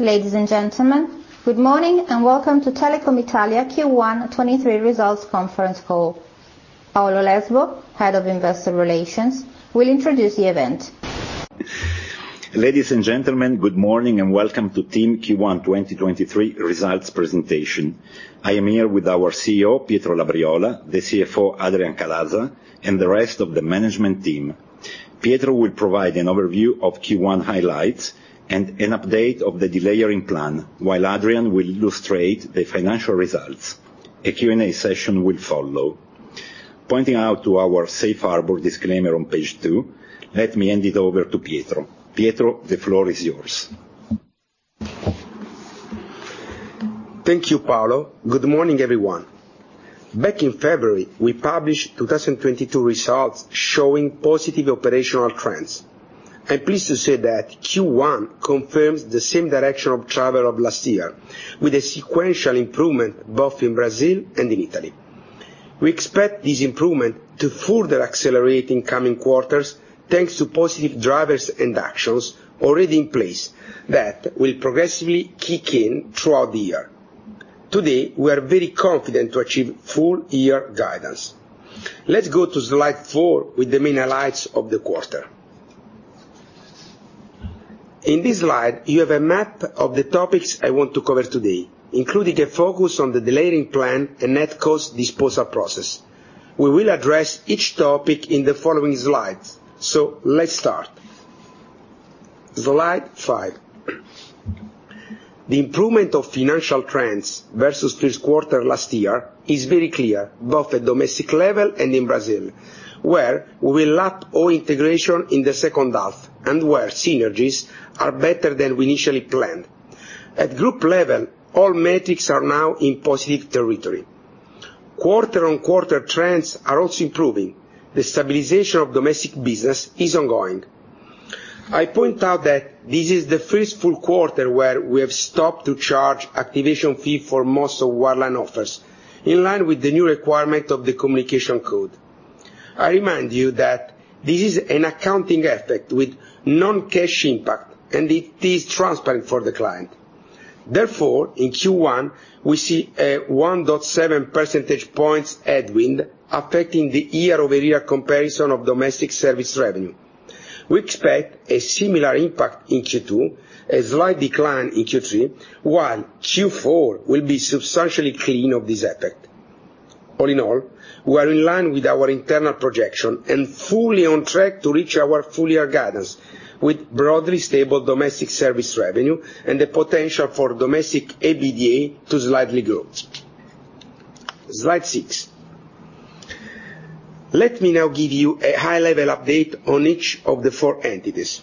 Ladies and gentlemen, good morning and welcome to Telecom Italia Q1 2023 results conference call. Paolo Lesbo, Head of Investor Relations, will introduce the event. Ladies and gentlemen, good morning and welcome to TIM Q1 2023 results presentation. I am here with our CEO, Pietro Labriola, the CFO, Adrián Calaza, and the rest of the management team. Pietro will provide an overview of Q1 highlights and an update of the delayering plan, while Adrián will illustrate the financial results. A Q&A session will follow. Pointing out to our safe harbor disclaimer on page two, let me hand it over to Pietro. Pietro, the floor is yours. Thank you, Paolo. Good morning, everyone. Back in February, we published 2022 results showing positive operational trends. I'm pleased to say that Q1 confirms the same direction of travel of last year, with a sequential improvement both in Brazil and in Italy. We expect this improvement to further accelerate in coming quarters, thanks to positive drivers and actions already in place that will progressively kick in throughout the year. Today, we are very confident to achieve full year guidance. Let's go to slide four with the main highlights of the quarter. In this slide, you have a map of the topics I want to cover today, including a focus on the delayering plan and NetCo disposal process. We will address each topic in the following slides. Let's start. Slide five. The improvement of financial trends versus this quarter last year is very clear, both at domestic level and in Brazil, where we will lap all integration in the second half and where synergies are better than we initially planned. At group level, all metrics are now in positive territory. Quarter-on-quarter trends are also improving. The stabilization of domestic business is ongoing. I point out that this is the first full quarter where we have stopped to charge activation fee for most of wireline offers, in line with the new requirement of the communication code. I remind you that this is an accounting effect with non-cash impact, and it is transparent for the client. Therefore, in Q1, we see a 1.7 percentage points headwind affecting the year-over-year comparison of domestic service revenue. We expect a similar impact in Q2, a slight decline in Q3, while Q4 will be substantially clean of this effect. All in all, we are in line with our internal projection and fully on track to reach our full year guidance with broadly stable domestic service revenue and the potential for domestic EBITDA to slightly grow. Slide six. Let me now give you a high-level update on each of the four entities.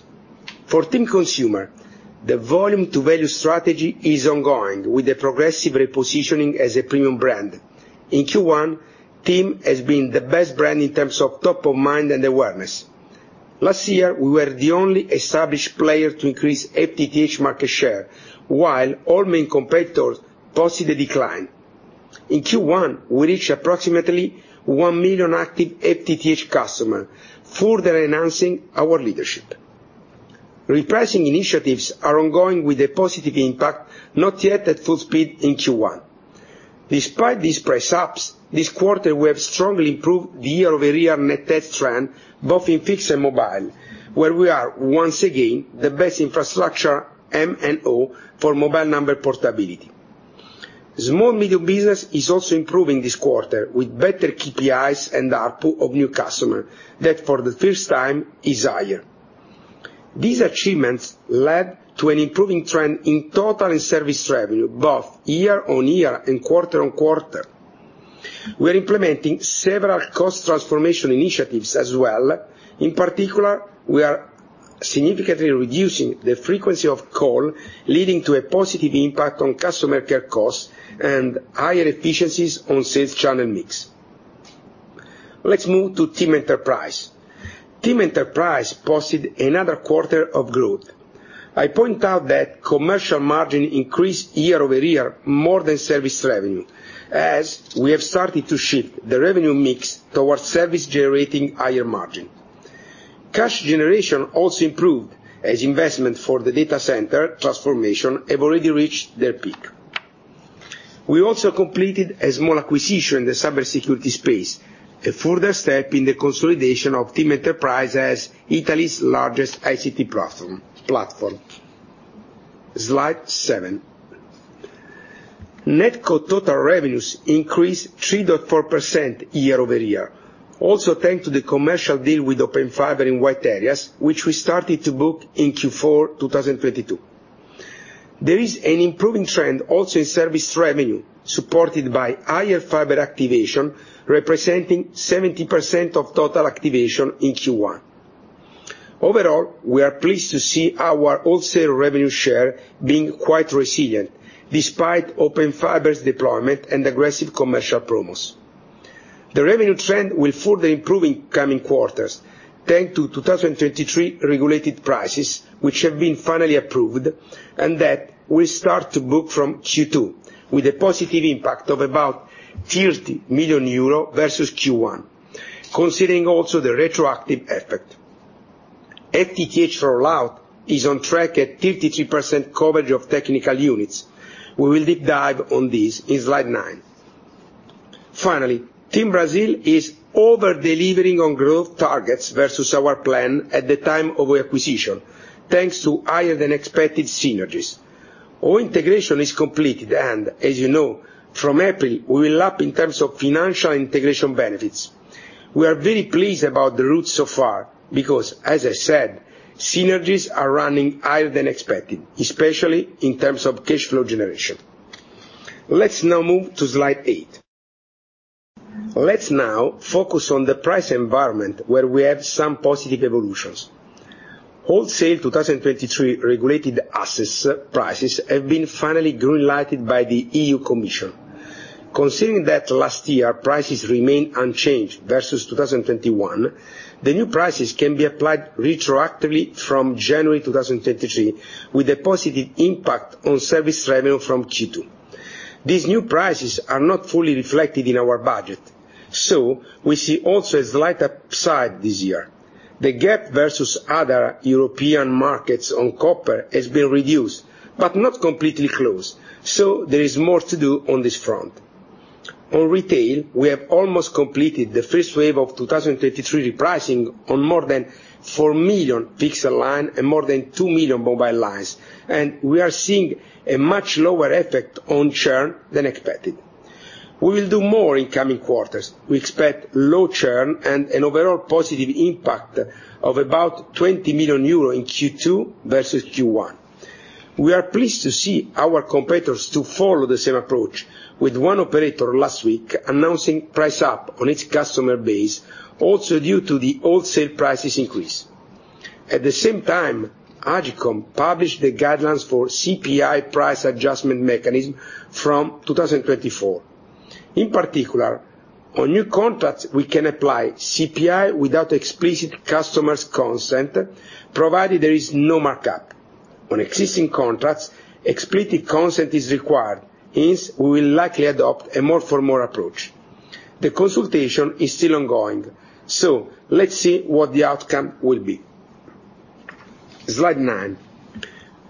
For TIM Consumer, the volume to value strategy is ongoing with the progressive repositioning as a premium brand. In Q1, TIM has been the best brand in terms of top of mind and awareness. Last year, we were the only established player to increase FTTH market share, while all main competitors posted a decline. In Q1, we reached approximately 1 million active FTTH customer, further enhancing our leadership. Repricing initiatives are ongoing with a positive impact, not yet at full speed in Q1. Despite these price ups, this quarter we have strongly improved the year-over-year net test trend, both in fixed and mobile, where we are once again the best infrastructure MNO for mobile number portability. Small medium business is also improving this quarter with better KPIs and ARPU of new customer that for the first time is higher. These achievements led to an improving trend in total and service revenue, both year-on-year and quarter-on-quarter. We're implementing several cost transformation initiatives as well. In particular, we are significantly reducing the frequency of call, leading to a positive impact on customer care costs and higher efficiencies on sales channel mix. Let's move to TIM Enterprise. TIM Enterprise posted another quarter of growth. I point out that commercial margin increased year-over-year more than service revenue, as we have started to shift the revenue mix towards service generating higher margin. Cash generation also improved as investment for the data center transformation have already reached their peak. We also completed a small acquisition in the cybersecurity space, a further step in the consolidation of TIM Enterprise as Italy's largest ICT platform. Slide seven, NetCo total revenues increased 3.4% year-over-year, also thanks to the commercial deal with Open Fiber in white areas, which we started to book in Q4 2022. There is an improving trend also in service revenue, supported by higher fiber activation, representing 70% of total activation in Q1. Overall, we are pleased to see our wholesale revenue share being quite resilient despite Open Fiber's deployment and aggressive commercial promos. The revenue trend will further improve in coming quarters, thanks to 2023 regulated prices, which have been finally approved and that will start to book from Q2. With a positive impact of about 30 million euro versus Q1, considering also the retroactive effect. FTTH rollout is on track at 53% coverage of technical units. We will deep dive on this in slide nine. Finally, TIM Brasil is over-delivering on growth targets versus our plan at the time of acquisition, thanks to higher than expected synergies. All integration is completed, As you know, from April, we will lap in terms of financial integration benefits. We are very pleased about the route so far because as I said, synergies are running higher than expected, especially in terms of cash flow generation. Let's now move to slide eight. Let's now focus on the price environment where we have some positive evolutions. Wholesale 2023 regulated assets prices have been finally green-lighted by the EU Commission. Considering that last year prices remain unchanged versus 2021, the new prices can be applied retroactively from January 2023, with a positive impact on service revenue from Q2. These new prices are not fully reflected in our budget. We see also a slight upside this year. The gap versus other European markets on copper has been reduced but not completely closed. There is more to do on this front. On retail, we have almost completed the first wave of 2023 repricing on more than 4 million fixed line and more than 2 million mobile lines. We are seeing a much lower effect on churn than expected. We will do more in coming quarters. We expect low churn and an overall positive impact of about 20 million euro in Q2 versus Q1. We are pleased to see our competitors to follow the same approach with one operator last week announcing price up on its customer base also due to the old sale prices increase. The same time, Agcom published the guidelines for CPI price adjustment mechanism from 2024. In particular, on new contracts, we can apply CPI without explicit customer's consent, provided there is no markup. On existing contracts, explicit consent is required. Hence, we will likely adopt a more formal approach. The consultation is still ongoing, let's see what the outcome will be. Slide nine,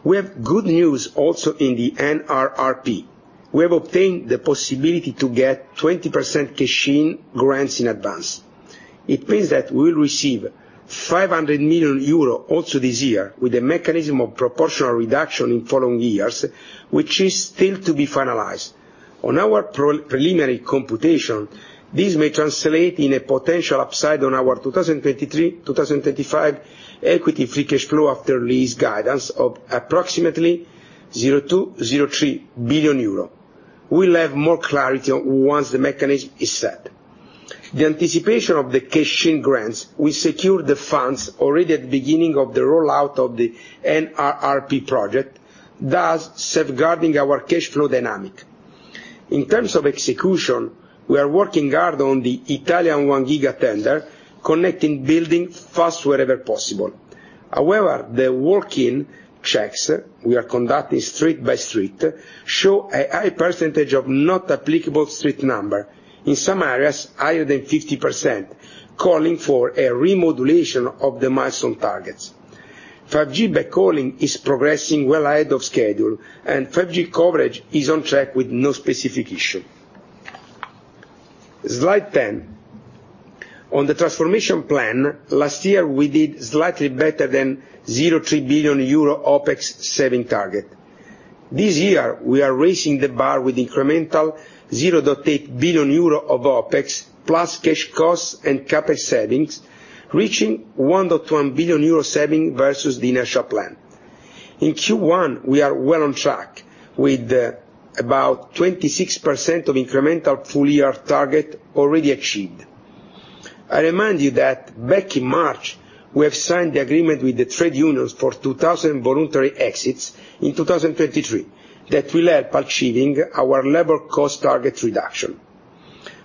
we have good news also in the NRRP. We have obtained the possibility to get 20% cash grants in advance. It means that we will receive 500 million euro also this year with a mechanism of proportional reduction in following years, which is still to be finalized. On our preliminary computation, this may translate in a potential upside on our 2023, 2025 Equity Free Cash Flow after lease guidance of approximately 0.2 billion-0.3 billion euro. We'll have more clarity once the mechanism is set. The anticipation of the cash grants will secure the funds already at beginning of the rollout of the NRRP project, thus safeguarding our cash flow dynamic. In terms of execution, we are working hard on the Italia a 1 Giga tender, connecting building fast wherever possible. The walk-in checks we are conducting street by street show a high percentage of not applicable street number, in some areas higher than 50%, calling for a remodulation of the milestone targets. 5G backhauling is progressing well ahead of schedule and 5G coverage is on track with no specific issue. Slide 10. On the transformation plan, last year we did slightly better than 0.3 billion euro OpEx saving target. This year we are raising the bar with incremental 0.8 billion euro of OpEx plus cash costs and CapEx savings, reaching 1.1 billion euro saving versus the initial plan. In Q1, we are well on track with about 26% of incremental full year target already achieved. I remind you that back in March, we have signed the agreement with the trade unions for 2,000 voluntary exits in 2023 that will help achieving our labor cost targets reduction.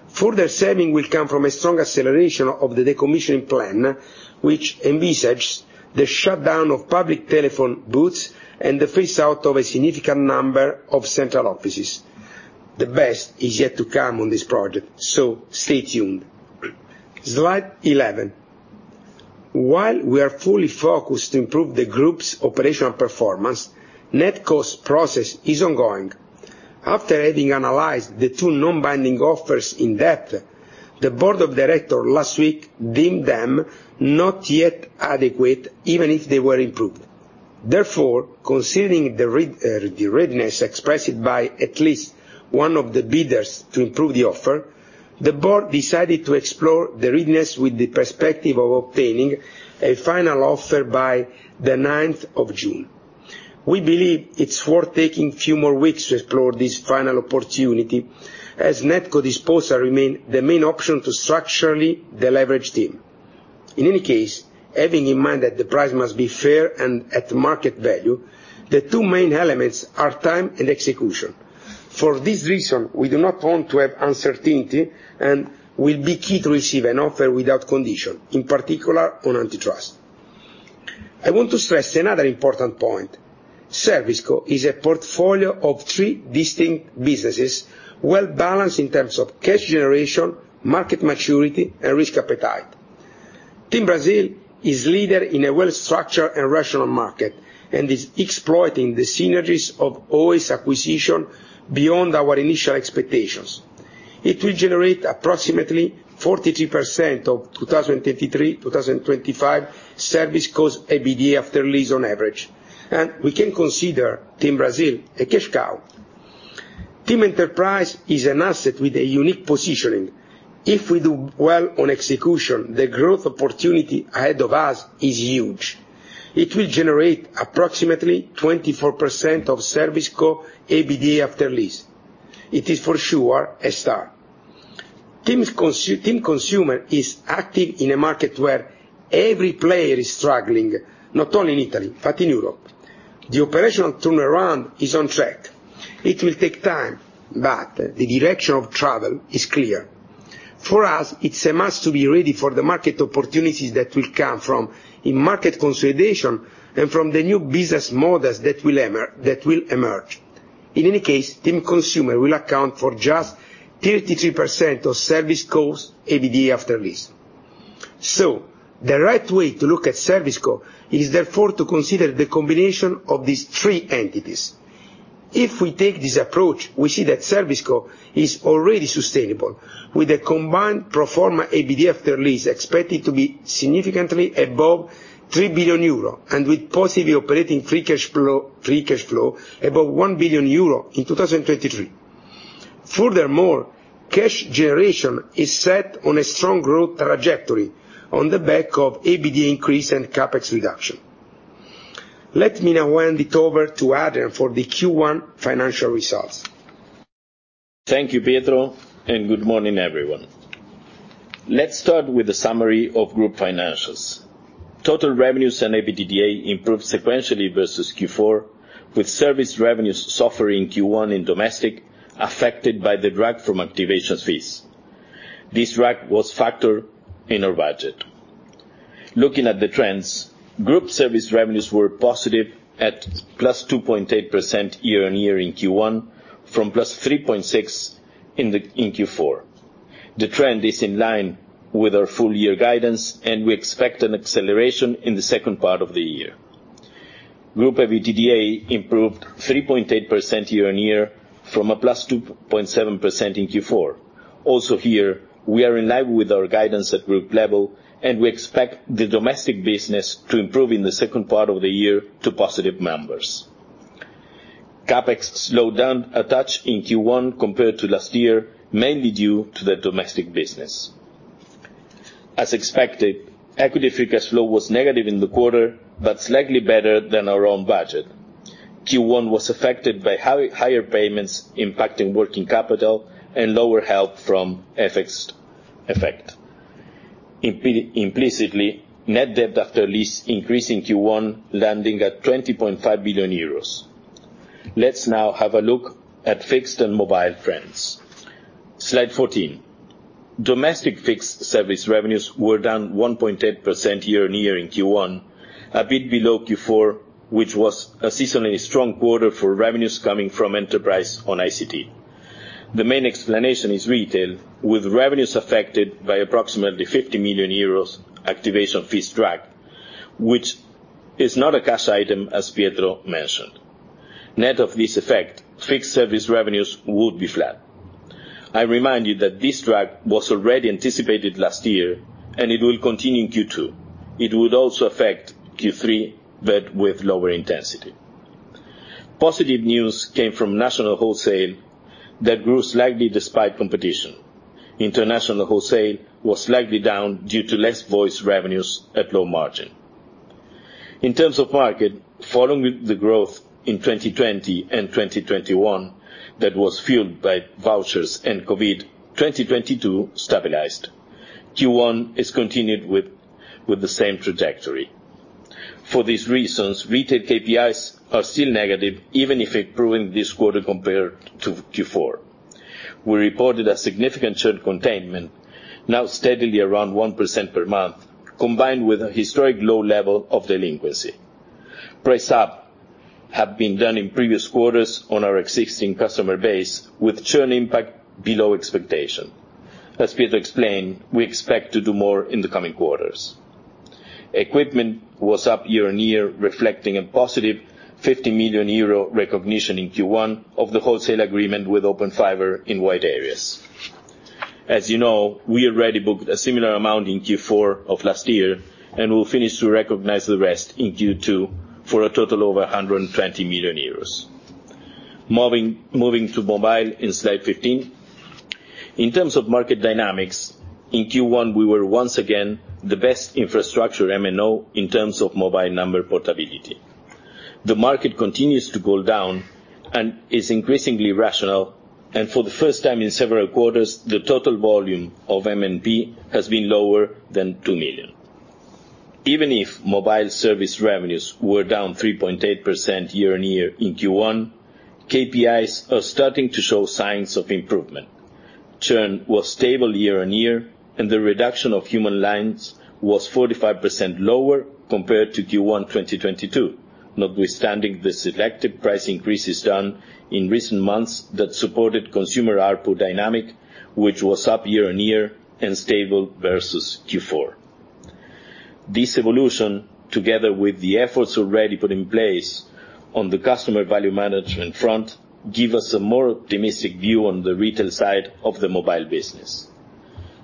Further saving will come from a strong acceleration of the decommissioning plan, which envisages the shutdown of public telephone booths and the phase out of a significant number of central offices. The best is yet to come on this project. Stay tuned. Slide 11. While we are fully focused to improve the group's operational performance, NetCo's process is ongoing. After having analyzed the two non-binding offers in depth, the board of directors last week deemed them not yet adequate even if they were improved. Considering the readiness expressed by at least one of the bidders to improve the offer, the board decided to explore the readiness with the perspective of obtaining a final offer by the 9th of June. We believe it's worth taking few more weeks to explore this final opportunity as NetCo disposal remain the main option to structurally deleverage TIM. Having in mind that the price must be fair and at market value, the two main elements are time and execution. We do not want to have uncertainty and will be key to receive an offer without condition, in particular on antitrust. I want to stress another important point. ServCo is a portfolio of three distinct businesses well-balanced in terms of cash generation, market maturity, and risk appetite. TIM Brasil is leader in a well-structured and rational market, and is exploiting the synergies of Oi acquisition beyond our initial expectations. It will generate approximately 42% of 2023-2025 ServCo's EBITDA After Lease on average. We can consider TIM Brasil a cash cow. TIM Enterprise is an asset with a unique positioning. If we do well on execution, the growth opportunity ahead of us is huge. It will generate approximately 24% of ServCo EBITDA After Lease. It is for sure a star. TIM Consumer is active in a market where every player is struggling, not only in Italy, but in Europe. The operational turnaround is on track. It will take time, but the direction of travel is clear. For us, it's a must to be ready for the market opportunities that will come from in market consolidation and from the new business models that will emerge. In any case, TIM Consumer will account for just 33% of ServCo's EBITDA after lease. The right way to look at ServCo is therefore to consider the combination of these three entities. If we take this approach, we see that ServCo is already sustainable, with a combined pro forma EBITDA after lease expected to be significantly above 3 billion euro, and with positive operating free cash flow above 1 billion euro in 2023. Furthermore, cash generation is set on a strong growth trajectory on the back of EBITDA increase and CapEx reduction. Let me now hand it over to Adrián for the Q1 financial results. Thank you, Pietro, and good morning, everyone. Let's start with a summary of group financials. Total revenues and EBITDA improved sequentially versus Q4, with service revenues suffering Q1 in domestic, affected by the drag from activations fees. This drag was factored in our budget. Looking at the trends, group service revenues were positive at +2.8% year-over-year in Q1 from +3.6% in Q4. The trend is in line with our full year guidance, and we expect an acceleration in the second part of the year. Group EBITDA improved +3.8% year-over-year from a +2.7% in Q4. Also here, we are in line with our guidance at group level, and we expect the domestic business to improve in the second part of the year to positive numbers. CapEx slowed down a touch in Q1 compared to last year, mainly due to the domestic business. As expected, equity free cash flow was negative in the quarter, but slightly better than our own budget. Q1 was affected by higher payments impacting working capital and lower help from FX effect. Implicitly, Net Debt after lease increased in Q1 landing at 20.5 billion euros. Let's now have a look at fixed and mobile trends. Slide 14. Domestic fixed service revenues were down 1.8% year-over-year in Q1, a bit below Q4, which was a seasonally strong quarter for revenues coming from enterprise on ICT. The main explanation is retail, with revenues affected by approximately 50 million euros activation fees drag, which is not a cash item, as Pietro mentioned. Net of this effect, fixed service revenues would be flat. I remind you that this drag was already anticipated last year and it will continue in Q2. It would also affect Q3, but with lower intensity. Positive news came from national wholesale that grew slightly despite competition. International wholesale was slightly down due to less voice revenues at low margin. In terms of market, following the growth in 2020 and 2021 that was fueled by vouchers and COVID, 2022 stabilized. Q1 is continued with the same trajectory. For these reasons, retail KPIs are still negative, even if improving this quarter compared to Q4. We reported a significant churn containment, now steadily around 1% per month, combined with a historic low level of delinquency. Price up have been done in previous quarters on our existing customer base with churn impact below expectation. As Pietro explained, we expect to do more in the coming quarters. Equipment was up year and year, reflecting a positive 50 million euro recognition in Q1 of the wholesale agreement with Open Fiber in wide areas. As you know, we already booked a similar amount in Q4 of last year. We'll finish to recognize the rest in Q2 for a total over 120 million euros. Moving to mobile in slide 15. In terms of market dynamics, in Q1 we were once again the best infrastructure MNO in terms of mobile number portability. The market continues to go down and is increasingly rational. For the first time in several quarters, the total volume of MNP has been lower than 2 million. Even if mobile service revenues were down 3.8% year-on-year in Q1, KPIs are starting to show signs of improvement. Churn was stable year-on-year, and the reduction of human lines was 45% lower compared to Q1 2022. Notwithstanding the selective price increases done in recent months that supported consumer ARPU dynamic, which was up year-on-year and stable versus Q4. This evolution, together with the efforts already put in place on the customer value management front, give us a more optimistic view on the retail side of the mobile business.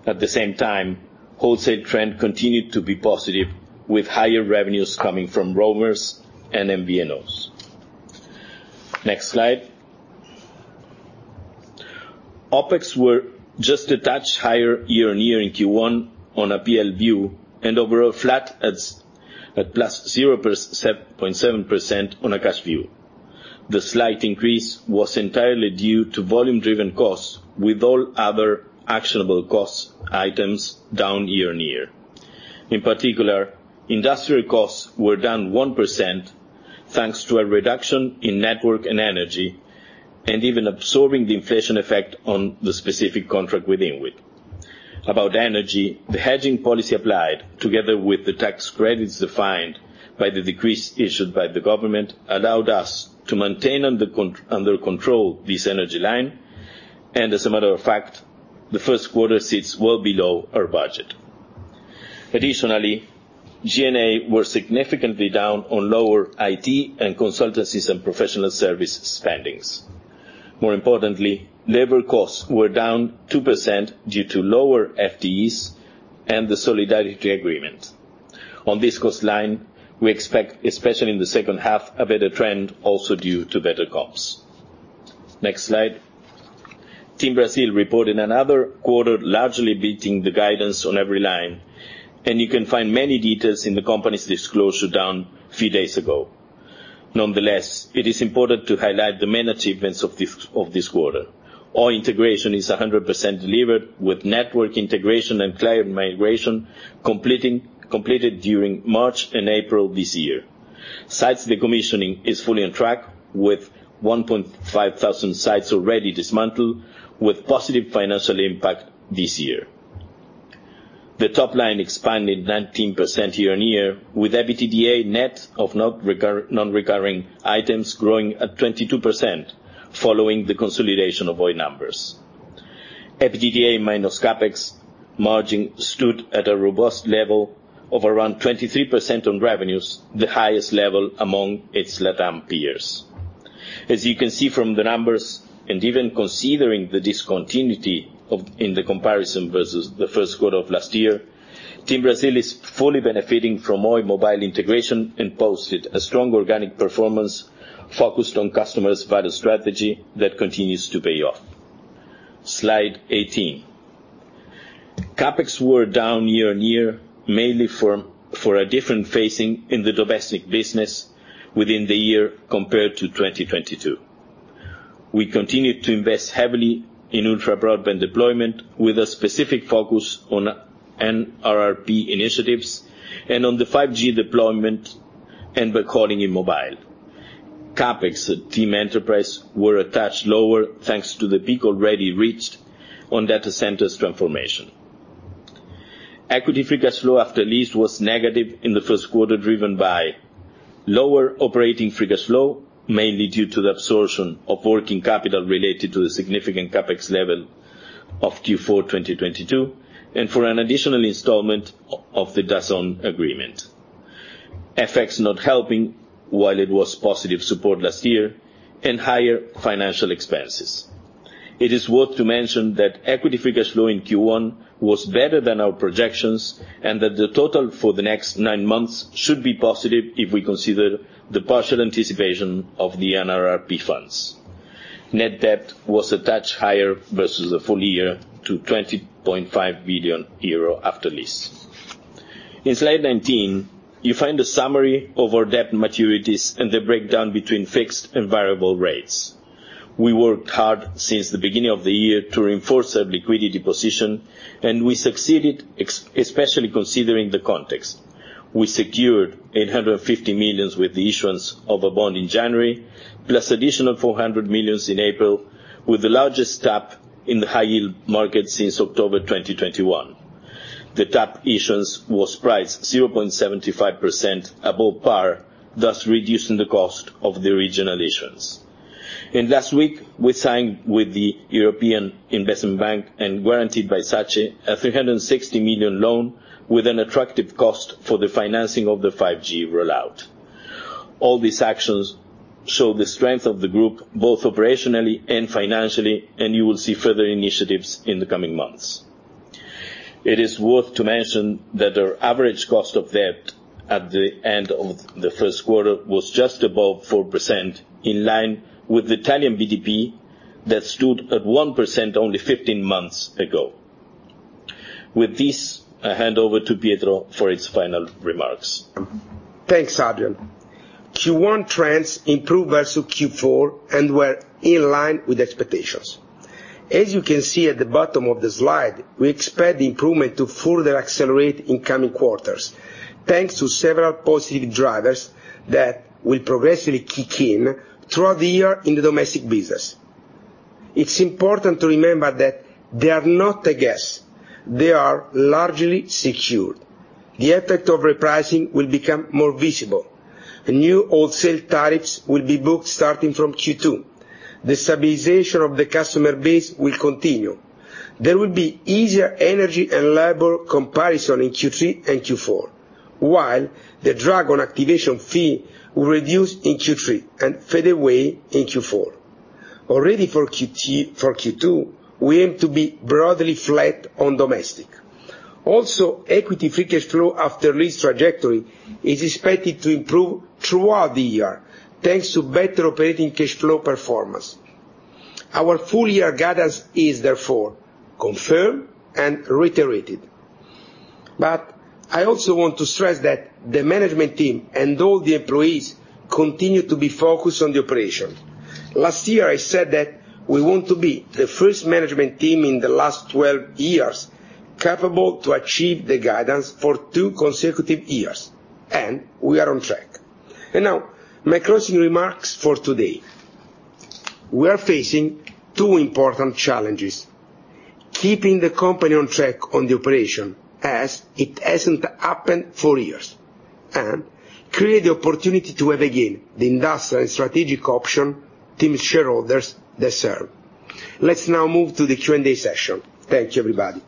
At the same time, wholesale trend continued to be positive, with higher revenues coming from roamers and MVNOs. Next slide. OpEx were just a touch higher year-on-year in Q1 on a P&L view and overall flat at plus 0.7% on a cash view. The slight increase was entirely due to volume-driven costs with all other actionable cost items down year-on-year. In particular, industrial costs were down 1% thanks to a reduction in network and energy, even absorbing the inflation effect on the specific contract with INWIT. About energy, the hedging policy applied together with the tax credits defined by the decrease issued by the government allowed us to maintain under control this energy line, and as a matter of fact, the first quarter sits well below our budget. Additionally, G&A were significantly down on lower IT and consultancies and professional service spendings. More importantly, labor costs were down 2% due to lower FTEs and the solidarity agreement. On this cost line, we expect, especially in the second half, a better trend also due to better comps. Next slide. TIM Brasil reported another quarter largely beating the guidance on every line. You can find many details in the company's disclosure done few days ago. Nonetheless, it is important to highlight the main achievements of this quarter. All integration is 100% delivered with network integration and client migration completed during March and April this year. Sites decommissioning is fully on track with 1,500 sites already dismantled with positive financial impact this year. The top line expanded 19% year-on-year with EBITDA net of non-recurring items growing at 22% following the consolidation of Oi numbers. EBITDA minus CapEx margin stood at a robust level of around 23% on revenues, the highest level among its LatAm peers. As you can see from the numbers, and even considering the discontinuity of, in the comparison versus the first quarter of last year, TIM Brasil is fully benefiting from Oi mobile integration and posted a strong organic performance focused on customers via the strategy that continues to pay off. Slide 18. CapEx were down year-over-year mainly for a different phasing in the domestic business within the year compared to 2022. We continued to invest heavily in ultra broadband deployment with a specific focus on NRRP initiatives and on the 5G deployment and backhauling in mobile. CapEx at TIM Enterprise were a touch lower thanks to the peak already reached on data centers transformation. Equity Free Cash Flow after lease was negative in the first quarter, driven by lower operating free cash flow, mainly due to the absorption of working capital related to the significant CapEx level of Q4 2022, and for an additional installment of the DAZN agreement. FX not helping, while it was positive support last year, and higher financial expenses. It is worth to mention that Equity Free Cash Flow in Q1 was better than our projections, and that the total for the next nine months should be positive if we consider the partial anticipation of the NRRP funds. Net Debt was a touch higher versus the full year to 20.5 billion euro after lease. In slide 19, you find a summary of our debt maturities and the breakdown between fixed and variable rates. We worked hard since the beginning of the year to reinforce our liquidity position, and we succeeded especially considering the context. We secured 850 million with the issuance of a bond in January, plus additional 400 million in April, with the largest tap in the high yield market since October 2021. The tap issuance was priced 0.75% above par, thus reducing the cost of the regional issuance. Last week, we signed with the European Investment Bank and guaranteed by SACE a 360 million loan with an attractive cost for the financing of the 5G rollout. All these actions show the strength of the group, both operationally and financially, and you will see further initiatives in the coming months. It is worth to mention that our average cost of debt at the end of the first quarter was just above 4%, in line with Italian GDP that stood at 1% only 15 months ago. With this, I hand over to Pietro for his final remarks. Thanks, Adrián. Q1 trends improved versus Q4 and were in line with expectations. As you can see at the bottom of the slide, we expect the improvement to further accelerate in coming quarters, thanks to several positive drivers that will progressively kick in throughout the year in the domestic business. It's important to remember that they are not a guess, they are largely secured. The effect of repricing will become more visible. The new wholesale tariffs will be booked starting from Q2. The stabilization of the customer base will continue. There will be easier energy and labor comparison in Q3 and Q4, while the drag on activation fee will reduce in Q3 and fade away in Q4. Already for Q2, we aim to be broadly flat on domestic. Equity Free Cash Flow after lease trajectory is expected to improve throughout the year, thanks to better operating cash flow performance. Our full year guidance is confirmed and reiterated. I also want to stress that the management team and all the employees continue to be focused on the operation. Last year, I said that we want to be the first management team in the last 12 years capable to achieve the guidance for two consecutive years, and we are on track. Now my closing remarks for today. We are facing two important challenges, keeping the company on track on the operation as it hasn't happened for years, and create the opportunity to have, again, the industrial and strategic option TIM shareholders deserve. Let's now move to the Q&A session. Thank you, everybody.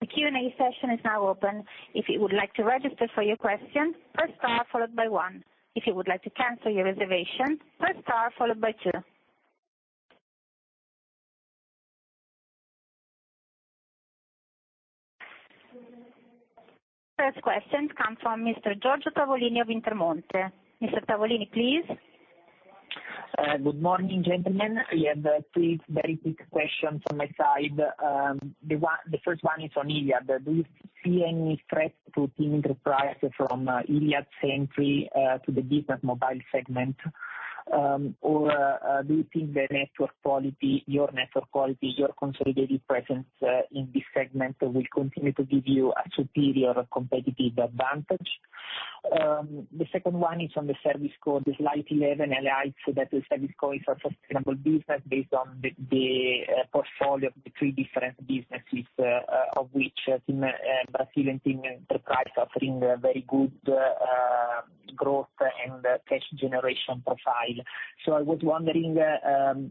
The Q&A session is now open. If you would like to register for your question, press star followed by one. If you would like to cancel your reservation, press star followed by two. First question comes from Mr. Giorgio Tavolini of Intermonte. Mr. Tavolini, please. Good morning, gentlemen. I have three very quick questions on my side. The first one is on Iliad. Do you see any threat to TIM Enterprise from Iliad's entry to the business mobile segment? Do you think the network quality, your network quality, your consolidated presence in this segment will continue to give you a superior competitive advantage? The second one is on the ServiceCo. The Slide 11 highlights that the ServiceCo is a sustainable business based on the portfolio of the 3 different businesses, of which TIM Brasil and TIM Enterprise are offering a very good growth and cash generation profile.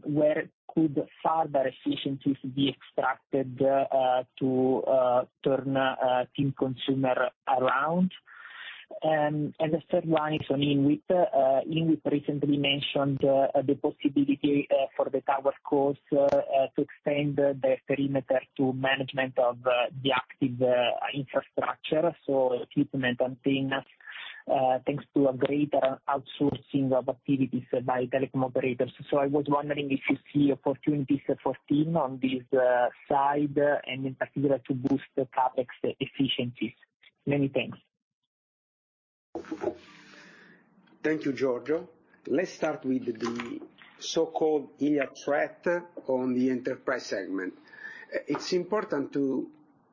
Where could further efficiencies be extracted to turn TIM Consumer around? The third one is on INWIT. INWIT recently mentioned the possibility for the tower costs to extend the perimeter to management of the active infrastructure, so equipment and maintenance, thanks to a greater outsourcing of activities by telecom operators. I was wondering if you see opportunities for TIM on this side, and in particular to boost the CapEx efficiencies. Many thanks. Thank you, Giorgio. Let's start with the so-called Iliad threat on the enterprise segment. It's important to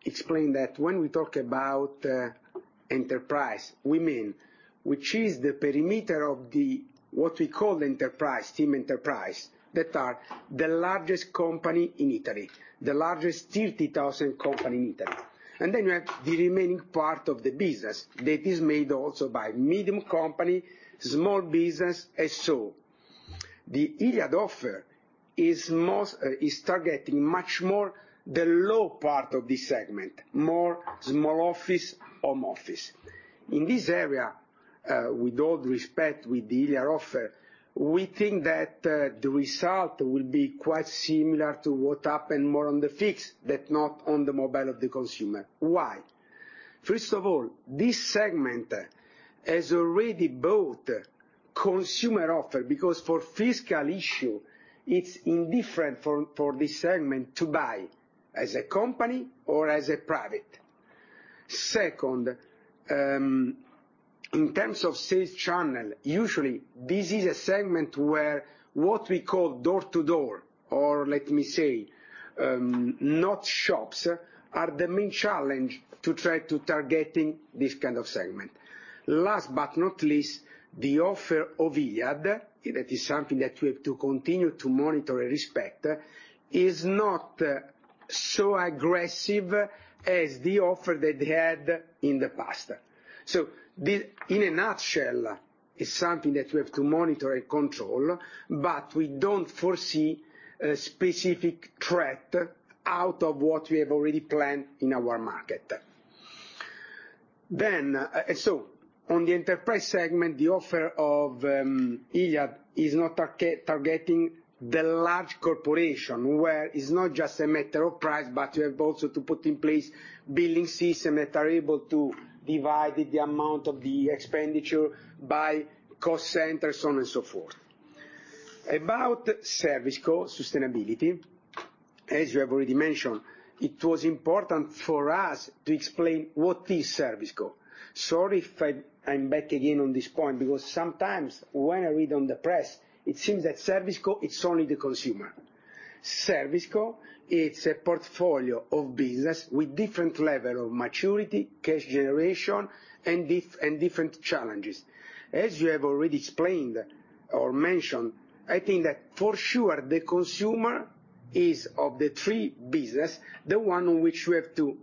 explain that when we talk about enterprise, we mean, which is the perimeter of the, what we call the enterprise, TIM Enterprise, that are the largest company in Italy, the largest 30,000 company in Italy. We have the remaining part of the business that is made also by medium company, small business, and so. The Iliad offer is targeting much more the low part of this segment, more small office, home office. In this area, with all due respect, with the Iliad offer, we think that the result will be quite similar to what happened more on the fix that not on the mobile of the consumer. Why? First of all, this segment has already both consumer offer because for fiscal issue, it's indifferent for this segment to buy as a company or as a private. Second, in terms of sales channel, usually this is a segment where what we call door-to-door or let me say, not shops are the main challenge to try to targeting this kind of segment. Last but not least, the offer of Iliad, that is something that we have to continue to monitor and respect, is not so aggressive as the offer that they had in the past. In a nutshell, it's something that we have to monitor and control, but we don't foresee a specific threat out of what we have already planned in our market. On the enterprise segment, the offer of Iliad is not targeting the large corporation, where it's not just a matter of price, but you have also to put in place billing system that are able to divide the amount of the expenditure by cost centers, so on and so forth. About ServiceCo sustainability, as you have already mentioned, it was important for us to explain what is ServiceCo. Sorry if I'm back again on this point, because sometimes when I read on the press, it seems that ServiceCo, it's only the consumer. ServiceCo, it's a portfolio of business with different level of maturity, cash generation, and different challenges. As you have already explained or mentioned, I think that for sure the consumer is, of the three business, the one which we have to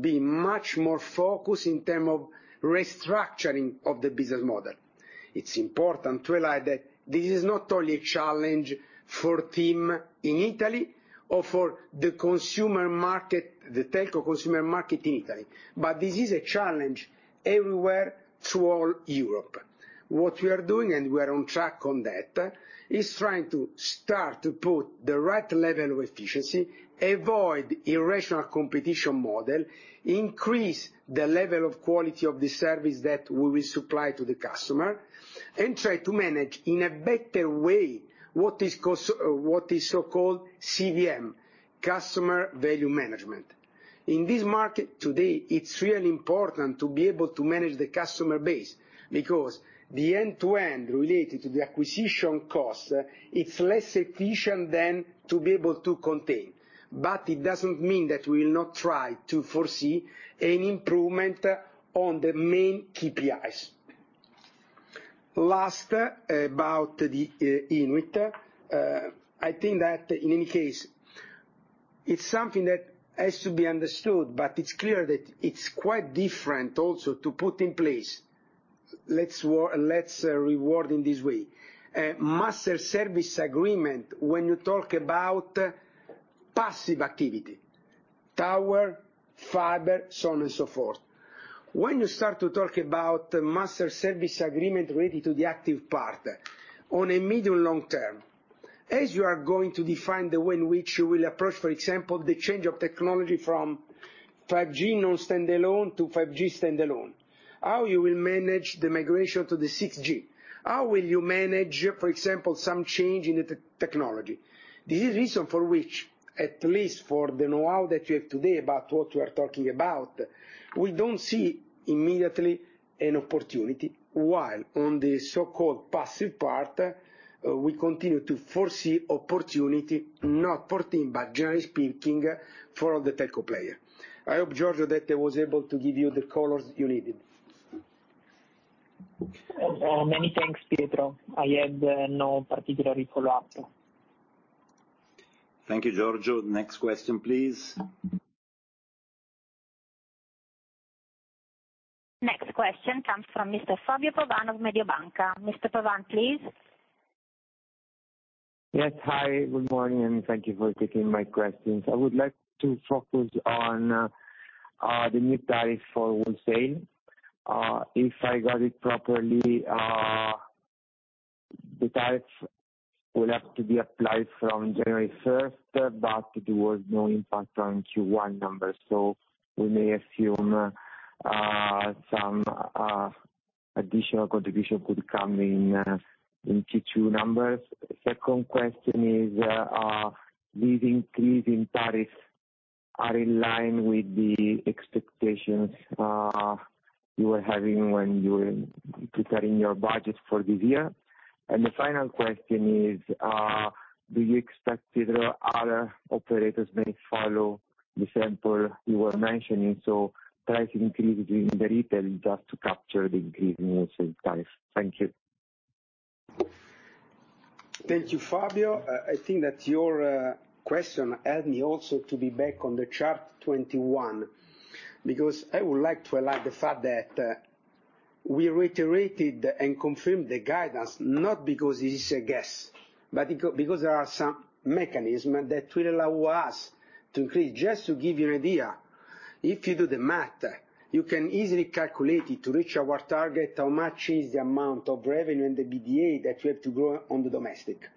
be much more focused in term of restructuring of the business model. It's important to highlight that this is not only a challenge for TIM in Italy or for the consumer market, the telco consumer market in Italy, but this is a challenge everywhere through all Europe. What we are doing, and we are on track on that, is trying to start to put the right level of efficiency, avoid irrational competition model, increase the level of quality of the service that we will supply to the customer, and try to manage in a better way what is so-called CVM, customer value management. In this market today, it's really important to be able to manage the customer base, because the end-to-end related to the acquisition cost, it's less efficient than to be able to contain. It doesn't mean that we will not try to foresee any improvement on the main KPIs. Last, about the INWIT. I think that in any case, it's something that has to be understood. It's clear that it's quite different also to put in place. Let's reword in this way. A Master Service Agreement when you talk about passive activity, tower, fiber, so on and so forth. When you start to talk about Master Service Agreement related to the active part on a medium long term, as you are going to define the way in which you will approach, for example, the change of technology from 5G Non-Standalone to 5G Standalone, how you will manage the migration to the 6G? How will you manage, for example, some change in the technology? This is reason for which, at least for the know-how that you have today about what we are talking about, we don't see immediately an opportunity. While on the so-called passive part, we continue to foresee opportunity, not for TIM, but generally speaking, for the telco player. I hope, Giorgio, that I was able to give you the colors you needed. Many thanks, Pietro. I had no particularly follow-up. Thank you, Giorgio. Next question, please. Next question comes from Mr. Fabio Pavan of Mediobanca. Mr. Pavan, please. Yes. Hi, good morning, and thank you for taking my questions. I would like to focus on the new tariff for wholesale. If I got it properly, the tariff will have to be applied from January 1st, but there was no impact on Q1 numbers. We may assume some additional contribution could come in in Q2 numbers. Second question is, these increase in tariffs are in line with the expectations you were having when you were preparing your budget for this year. The final question is, do you expect either other operators may follow the sample you were mentioning, so price increase during the retail just to capture the increase in wholesale tariff? Thank you. Thank you, Fabio. I think that your question help me also to be back on the chart 21. I would like to highlight the fact that we reiterated and confirmed the guidance, not because it is a guess, but because there are some mechanism that will allow us to increase. Just to give you an idea, if you do the math, you can easily calculate it to reach our target, how much is the amount of revenue and the EBITDA that we have to grow on the domestic.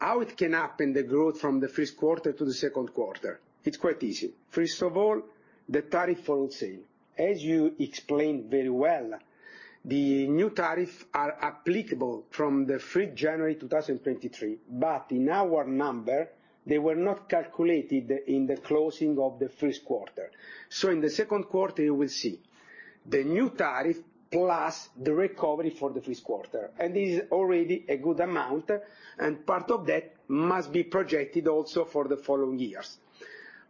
How it can happen, the growth from the first quarter to the second quarter? It's quite easy. First of all, the tariff wholesale. As you explained very well, the new tariff are applicable from the 3rd January 2023, in our number, they were not calculated in the closing of the first quarter. In the second quarter you will see the new tariff plus the recovery for the first quarter. This is already a good amount, and part of that must be projected also for the following years.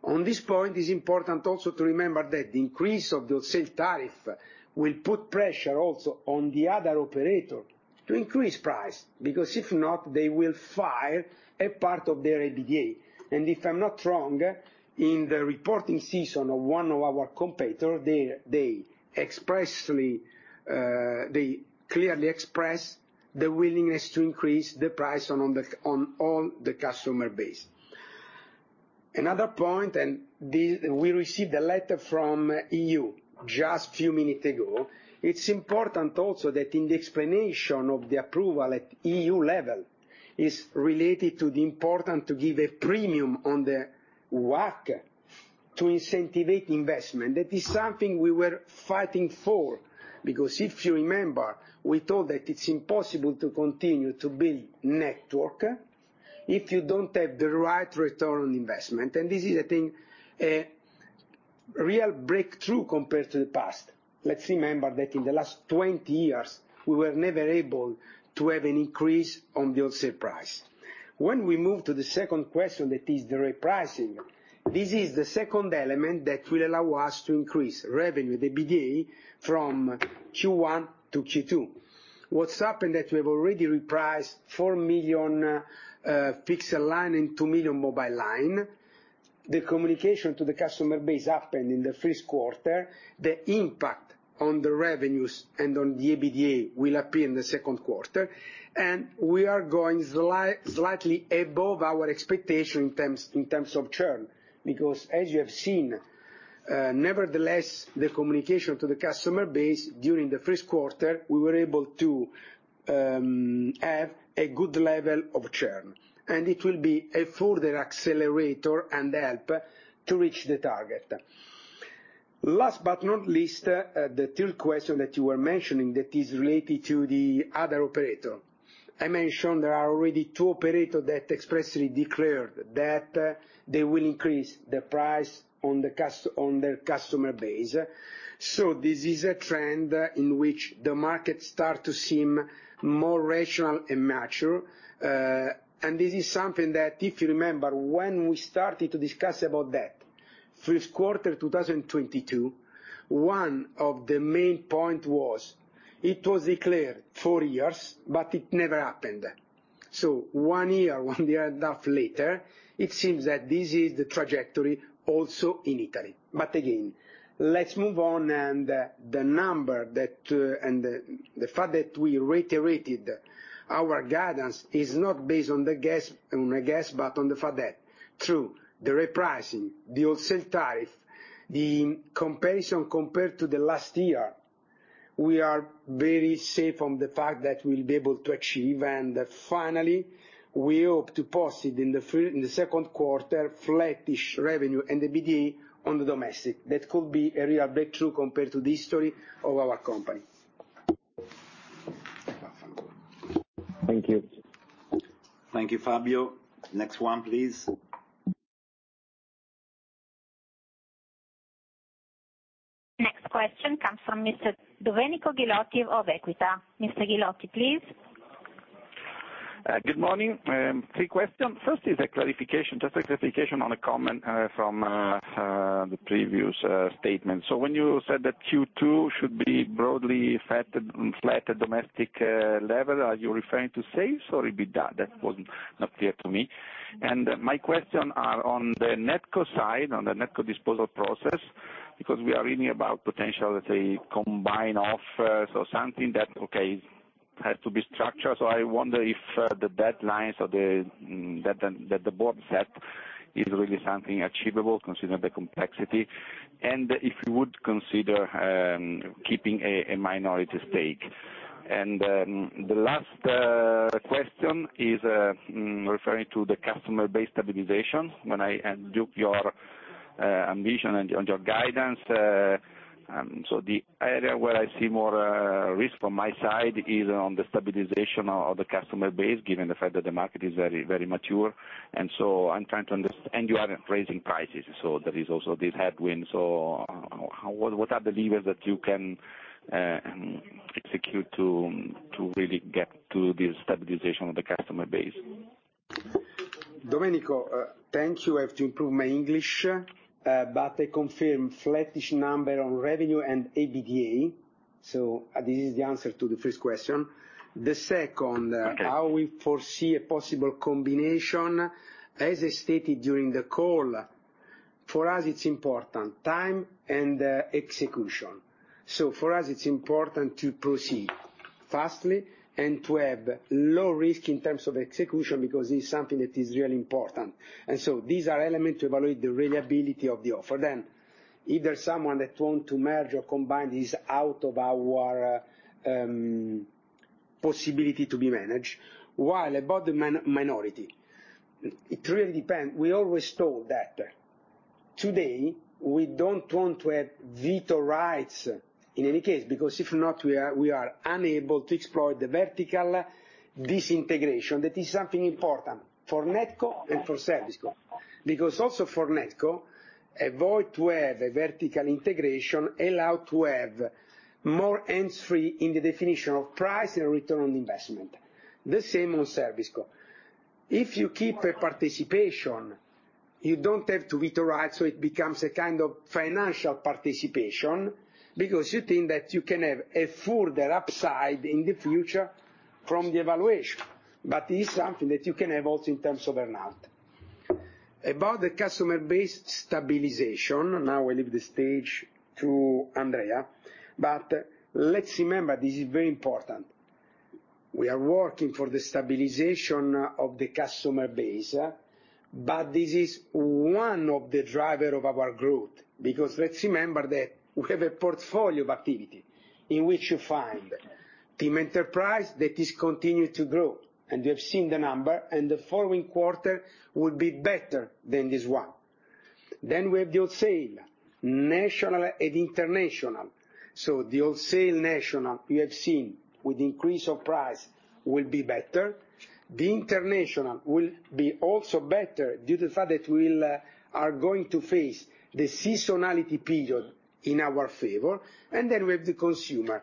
On this point, it's important also to remember that the increase of the sale tariff will put pressure also on the other operator to increase price. Because if not, they will fire a part of their EBITDA. If I'm not wrong, in the reporting season of one of our competitor, they clearly expressed the willingness to increase the price on all the customer base. Another point, we received a letter from EU just few minutes ago. It's important also that in the explanation of the approval at EU level, is related to the important to give a premium on the work to incentivize investment. That is something we were fighting for, because if you remember, we thought that it's impossible to continue to build network if you don't have the right return on investment. This is, I think, a real breakthrough compared to the past. Let's remember that in the last 20 years, we were never able to have an increase on the wholesale price. When we move to the second question, that is the repricing, this is the second element that will allow us to increase revenue, the EBITDA from Q1 to Q2. What's happened that we have already repriced 4 million fixed line and 2 million mobile line. The communication to the customer base happened in the first quarter. The impact on the revenues and on the EBITDA will appear in the second quarter. We are going slightly above our expectation in terms of churn because as you have seen, nevertheless the communication to the customer base during the first quarter, we were able to have a good level of churn, and it will be a further accelerator and help to reach the target. Last but not least, the third question that you were mentioning that is related to the other operator. I mentioned there are already two operator that expressly declared that they will increase the price on their customer base. This is a trend in which the market start to seem more rational and mature. This is something that, if you remember, when we started to discuss about that first quarter, 2022, one of the main point was it was declared four years, but it never happened. One year, one year and a half later, it seems that this is the trajectory also in Italy. Again, let's move on. The number that, and the fact that we reiterated our guidance is not based on the guess, on a guess, but on the fact that through the repricing, the wholesale tariff, the comparison compared to the last year, we are very safe on the fact that we'll be able to achieve. Finally, we hope to proceed in the second quarter flattish revenue and EBITDA on the domestic. That could be a real breakthrough compared to the history of our company. Thank you. Thank you, Fabio. Next one, please. Next question comes from Mr. Domenico Ghilotti of Equita. Mr. Ghilotti, please. Good morning. Three questions. First is a clarification, just a clarification on a comment from the previous statement. When you said that Q2 should be broadly flat at domestic level, are you referring to sales or EBITDA? That wasn't clear to me. My question are on the NetCo side, on the NetCo disposal process, because we are reading about potential, let's say, combined offers or something that, okay, has to be structured. I wonder if the deadlines or the board set is really something achievable considering the complexity. If you would consider keeping a minority stake. The last question is referring to the customer base stabilization. When I adjudge your ambition and your guidance, the area where I see more risk from my side is on the stabilization of the customer base, given the fact that the market is very, very mature. I'm trying to and you aren't raising prices. There is also this headwind. How, what are the levers that you can execute to really get to this stabilization of the customer base? Domenico, thank you. I have to improve my English. I confirm flattish number on revenue and EBITDA. This is the answer to the first question. Okay. How we foresee a possible combination. As I stated during the call, for us it's important time and execution. For us it's important to proceed fast and to have low risk in terms of execution, because it's something that is really important. These are elements to evaluate the reliability of the offer. Either someone that want to merge or combine is out of our possibility to be managed. While about the minority, it really depends. We always thought that today we don't want to have veto rights in any case, because if not, we are unable to explore the vertical disintegration. That is something important for NetCo and for ServiceCo. Also for NetCo, avoid to have a vertical integration allows to have more hands free in the definition of price and return on investment. The same on ServiceCo. If you keep a participation, you don't have to veto right, so it becomes a kind of financial participation because you think that you can have a further upside in the future from the evaluation. It is something that you can have also in terms of earn-out. About the customer base stabilization, now I leave the stage to Andrea. Let's remember this is very important. We are working for the stabilization of the customer base, but this is one of the driver of our growth. Let's remember that we have a portfolio of activity in which you find TIM Enterprise that is continuing to grow, and you have seen the number, and the following quarter will be better than this one. We have the wholesale, national and international. The wholesale national we have seen with increase of price will be better. The international will be also better due to the fact that we are going to face the seasonality period in our favor. We have the consumer.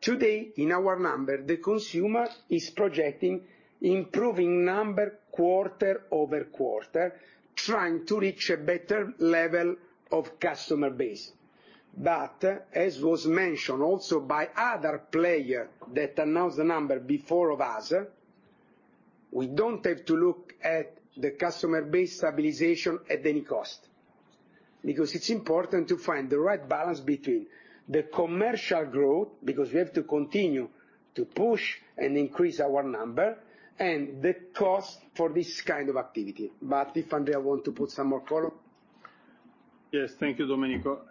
Today, in our number, the consumer is projecting improving number quarter-over-quarter, trying to reach a better level of customer base. As was mentioned also by other player that announced the number before of us, we don't have to look at the customer base stabilization at any cost. It's important to find the right balance between the commercial growth, because we have to continue to push and increase our number, and the cost for this kind of activity. If Andrea want to put some more color. Yes. Thank you, Domenico.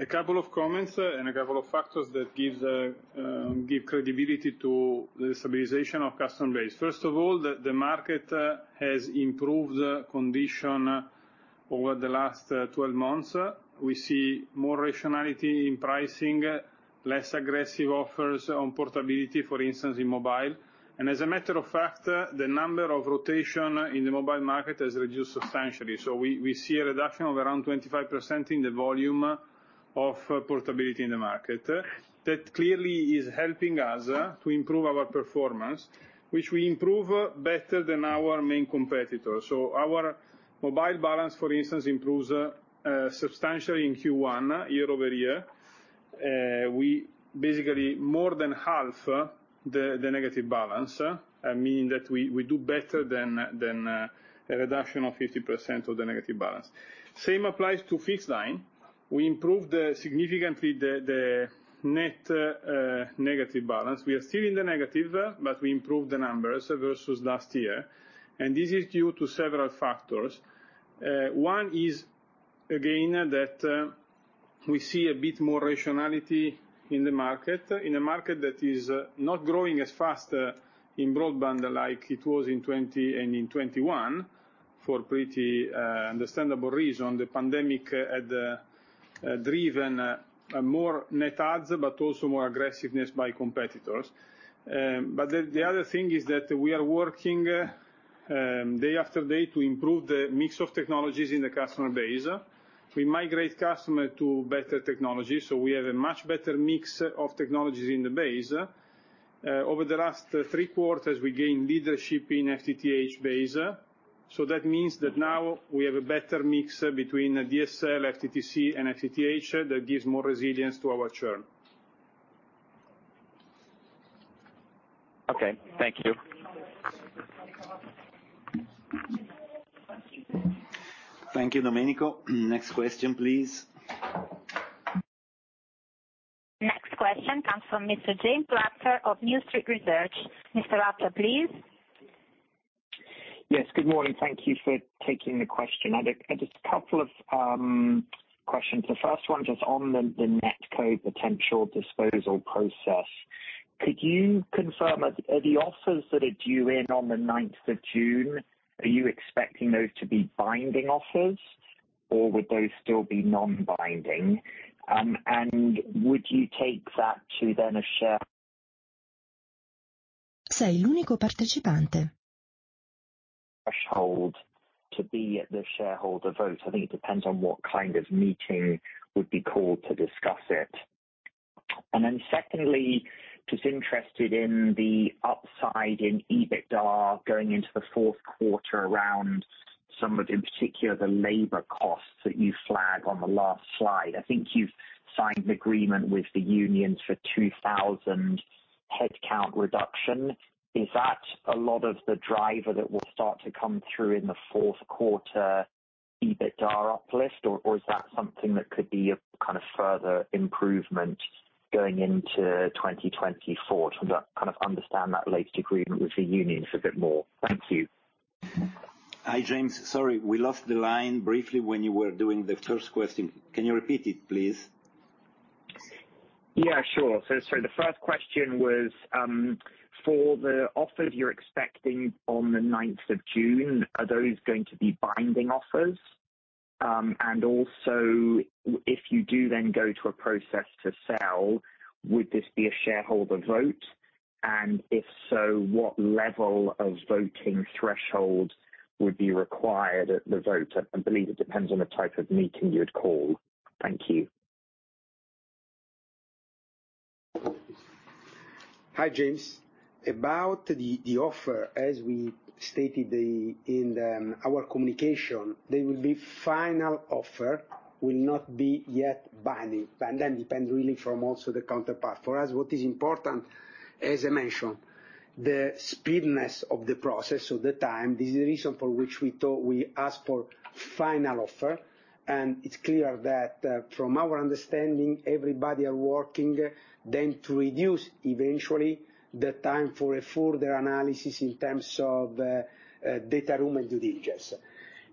A couple of comments and a couple of factors that give credibility to the stabilization of customer base. First of all, the market has improved condition over the last 12 months. We see more rationality in pricing, less aggressive offers on portability, for instance, in mobile. As a matter of fact, the number of rotation in the mobile market has reduced substantially. We see a reduction of around 25% in the volume of portability in the market. That clearly is helping us to improve our performance, which we improve better than our main competitor. Our mobile balance, for instance, improves substantially in Q1 year-over-year. We basically more than halve the negative balance, meaning that we do better than a reduction of 50% of the negative balance. Same applies to fixed line. We improved significantly the net negative balance. We are still in the negative. We improved the numbers versus last year. This is due to several factors. One is again that we see a bit more rationality in the market, in a market that is not growing as fast in broadband like it was in 2020 and in 2021, for pretty understandable reason. The pandemic had driven more net adds, but also more aggressiveness by competitors. The other thing is that we are working day after day to improve the mix of technologies in the customer base. We migrate customer to better technology. We have a much better mix of technologies in the base. Over the last 3 quarters, we gained leadership in FTTH base. That means that now we have a better mix between DSL, FTTC and FTTH that gives more resilience to our churn. Okay. Thank you. Thank you, Domenico. Next question, please. Next question comes from Mr. James Ratzer of New Street Research. Mr. Ratzer, please. Yes. Good morning. Thank you for taking the question. I had just a couple of questions. The first one just on the NetCo potential disposal process. Could you confirm, are the offers that are due in on the ninth of June, are you expecting those to be binding offers or would those still be non-binding? threshold to be at the shareholder vote? I think it depends on what kind of meeting would be called to discuss it. Secondly, just interested in the upside in EBITDA going into the fourth quarter around some of the, in particular, the labor costs that you flag on the last slide. I think you've signed an agreement with the unions for 2,000 headcount reduction. Is that a lot of the driver that will start to come through in the fourth quarter EBITDA uplift, or is that something that could be a kind of further improvement going into 2024? To kind of understand that latest agreement with the unions a bit more. Thank you. Hi, James. Sorry, we lost the line briefly when you were doing the first question. Can you repeat it, please? Yeah, sure. Sorry. The first question was for the offers you're expecting on the ninth of June, are those going to be binding offers? Also if you do then go to a process to sell, would this be a shareholder vote? If so, what level of voting threshold would be required at the vote? I believe it depends on the type of meeting you'd call. Thank you. Hi, James. About the offer, as we stated in our communication, they will be final offer will not be yet binding. depends really from also the counterpart. For us, what is important, as I mentioned, the speediness of the process. The time, this is the reason for which we thought we ask for final offer. It's clear that from our understanding, everybody are working then to reduce eventually the time for a further analysis in terms of the data room and due diligence.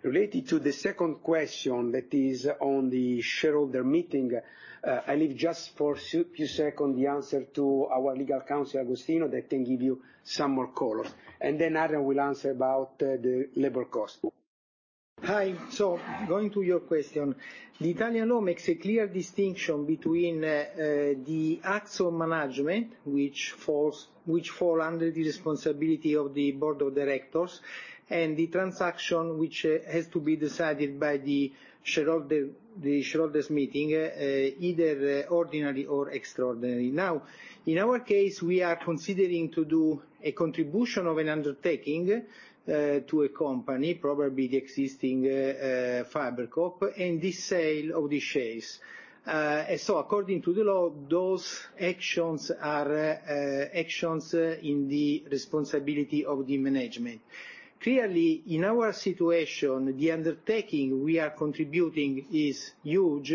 Related to the second question that is on the shareholder meeting, I leave just for few second the answer to our legal counsel, Agostino, that can give you some more color. Adrián will answer about the labor cost. Hi. Going to your question, the Italian law makes a clear distinction between the acts of management, which fall under the responsibility of the board of directors, and the transaction, which has to be decided by the shareholders, the shareholders meeting, either ordinary or extraordinary. In our case, we are considering to do a contribution of an undertaking to a company, probably the existing FiberCop, and the sale of the shares. According to the law, those actions are actions in the responsibility of the management. Clearly, in our situation, the undertaking we are contributing is huge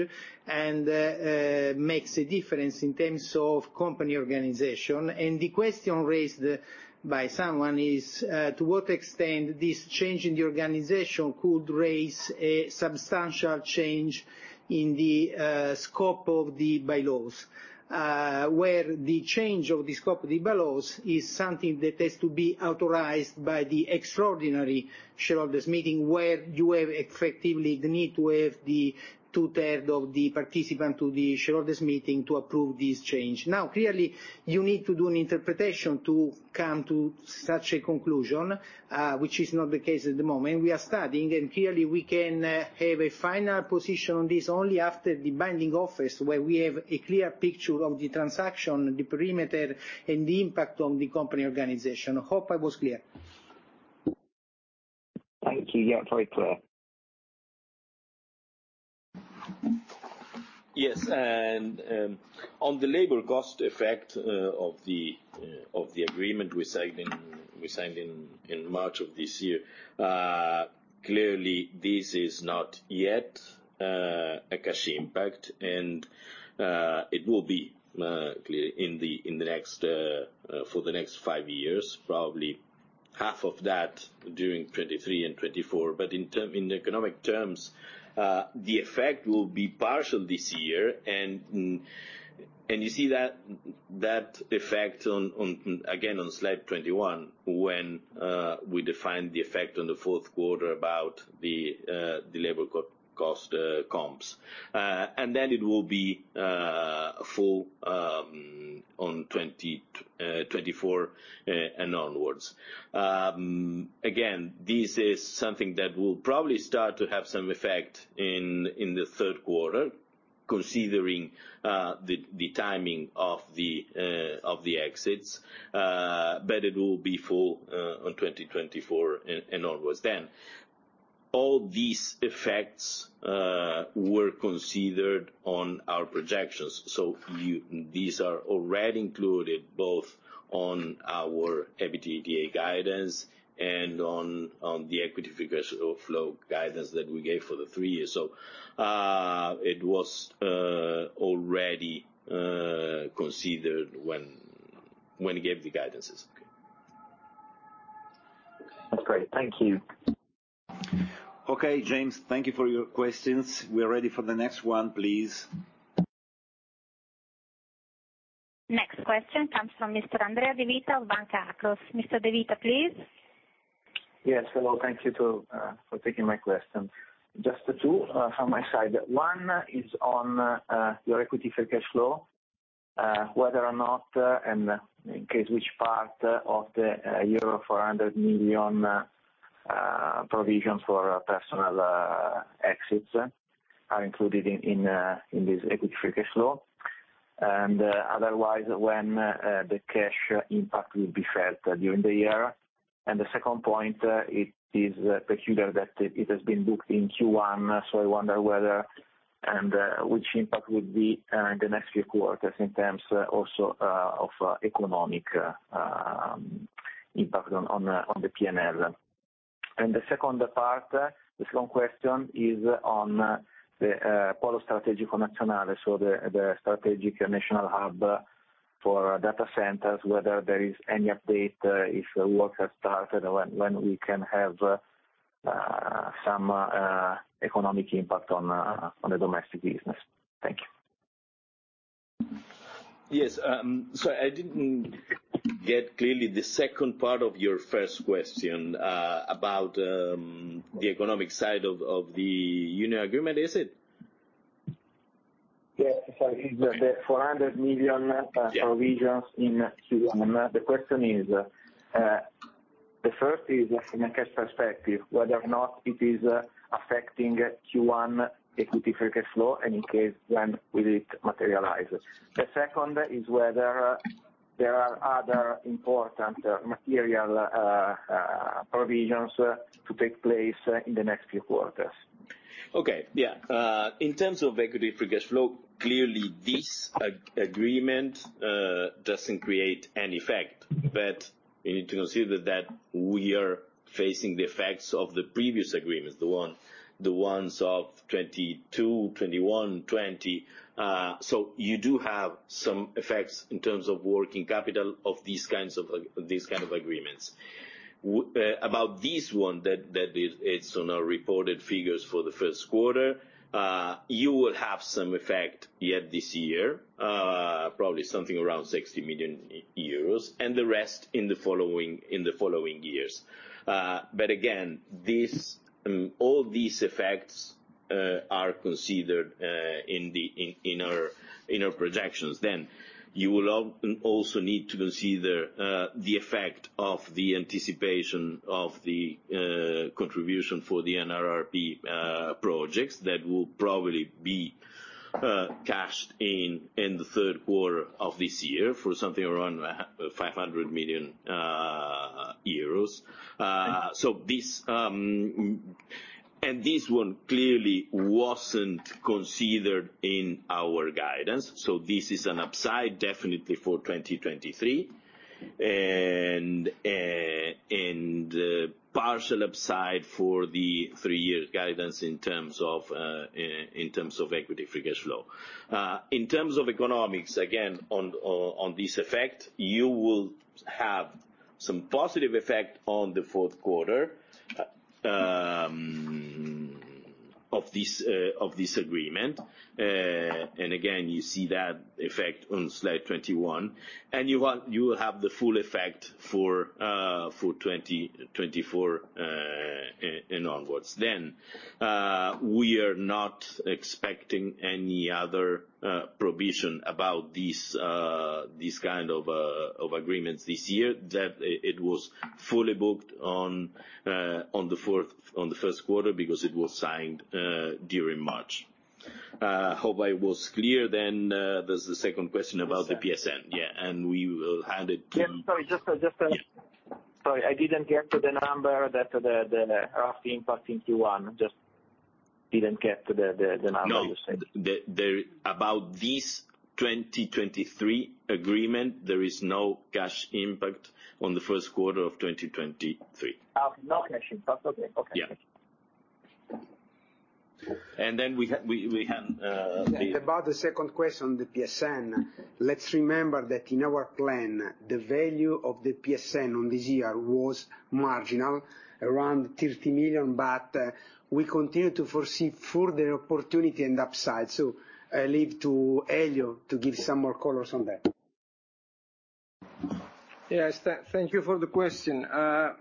and makes a difference in terms of company organization. The question raised by someone is to what extent this change in the organization could raise a substantial change in the scope of the bylaws, where the change of the scope of the bylaws is something that has to be authorized by the extraordinary shareholders meeting, where you have effectively the need to have the two-third of the participant to the shareholders meeting to approve this change. Clearly, you need to do an interpretation to come to such a conclusion, which is not the case at the moment. We are studying, and clearly we can have a final position on this only after the binding office where we have a clear picture of the transaction, the perimeter, and the impact on the company organization. Hope I was clear. Thank you. Yeah, it's very clear. Yes. On the labor cost effect of the agreement we signed in March of this year, clearly this is not yet a cash impact, and it will be clear in the next for the next five years, probably half of that during 2023 and 2024. In term, in economic terms, the effect will be partial this year and you see that effect on again on slide 21 when we define the effect on the fourth quarter about the labor cost comps. Then it will be full on 2024 and onwards. Again, this is something that will probably start to have some effect in the third quarter, considering the timing of the exits. It will be full on 2024 and onwards then. All these effects were considered on our projections. These are already included both on our EBITDA guidance and on the equity figures of flow guidance that we gave for the three years. It was already considered when we gave the guidances. Okay. That's great. Thank you. Okay, James, thank you for your questions. We're ready for the next one, please. Next question comes from Mr. Andrea de Vita of Banca Akros. Mr. De Vita, please. Yes. Hello. Thank you for taking my question. Just two from my side. One is on your Equity Free Cash Flow, whether or not, and in case which part of the euro 400 million provision for personal exits are included in this Equity Free Cash Flow. Otherwise, when the cash impact will be felt during the year. The second point, it is peculiar that it has been booked in Q1, so I wonder whether and which impact will be in the next few quarters in terms also of economic impact on the P&L. The second part, the second question is on, the Polo Strategico Nazionale, so the strategic national hub for data centers, whether there is any update, if work has started or when we can have, some, economic impact on the domestic business. Thank you. Yes. I didn't get clearly the second part of your first question, about the economic side of the union agreement. Is it? Yes. Sorry. The 400 million- Yeah. Provisions in Q1. The question is, the first is from a cash perspective, whether or not it is affecting Q1 Equity Free Cash Flow, and in case, when will it materialize? The second is whether there are other important material provisions to take place in the next few quarters? Okay. Yeah. In terms of Equity Free Cash Flow, clearly this agreement doesn't create any effect. You need to consider that we are facing the effects of the previous agreements, the ones of 2022, 2021, 2020. You do have some effects in terms of working capital of these kind of agreements. About this one that is, it's on our reported figures for the first quarter, you will have some effect yet this year, probably something around 60 million euros, and the rest in the following years. Again, this all these effects are considered in our projections. You will also need to consider the effect of the anticipation of the contribution for the NRRP projects that will probably be cashed in in the third quarter of this year for something around 500 million euros. This one clearly wasn't considered in our guidance, so this is an upside definitely for 2023. Partial upside for the three-year guidance in terms of equity free cash flow. In terms of economics, again, on this effect, you will have some positive effect on the fourth quarter of this agreement. Again, you see that effect on slide 21. You will have the full effect for 2024 and onwards. We are not expecting any other provision about these kind of agreements this year. It was fully booked on the first quarter because it was signed during March. Hope I was clear. There's the second question about the PSN. Yeah. We will hand it to. Yeah, sorry, just a. Yeah. Sorry, I didn't get the number that the rough impact in Q1. Just didn't get the number you said. No. About this 2023 agreement, there is no cash impact on the first quarter of 2023. Okay. No cash impact. Okay. Okay. Yeah. We hand. About the second question, the PSN. Let's remember that in our plan, the value of the PSN on this year was marginal, around 30 million. We continue to foresee further opportunity and upside. I leave to Elio to give some more colors on that. Yes. Thank you for the question. As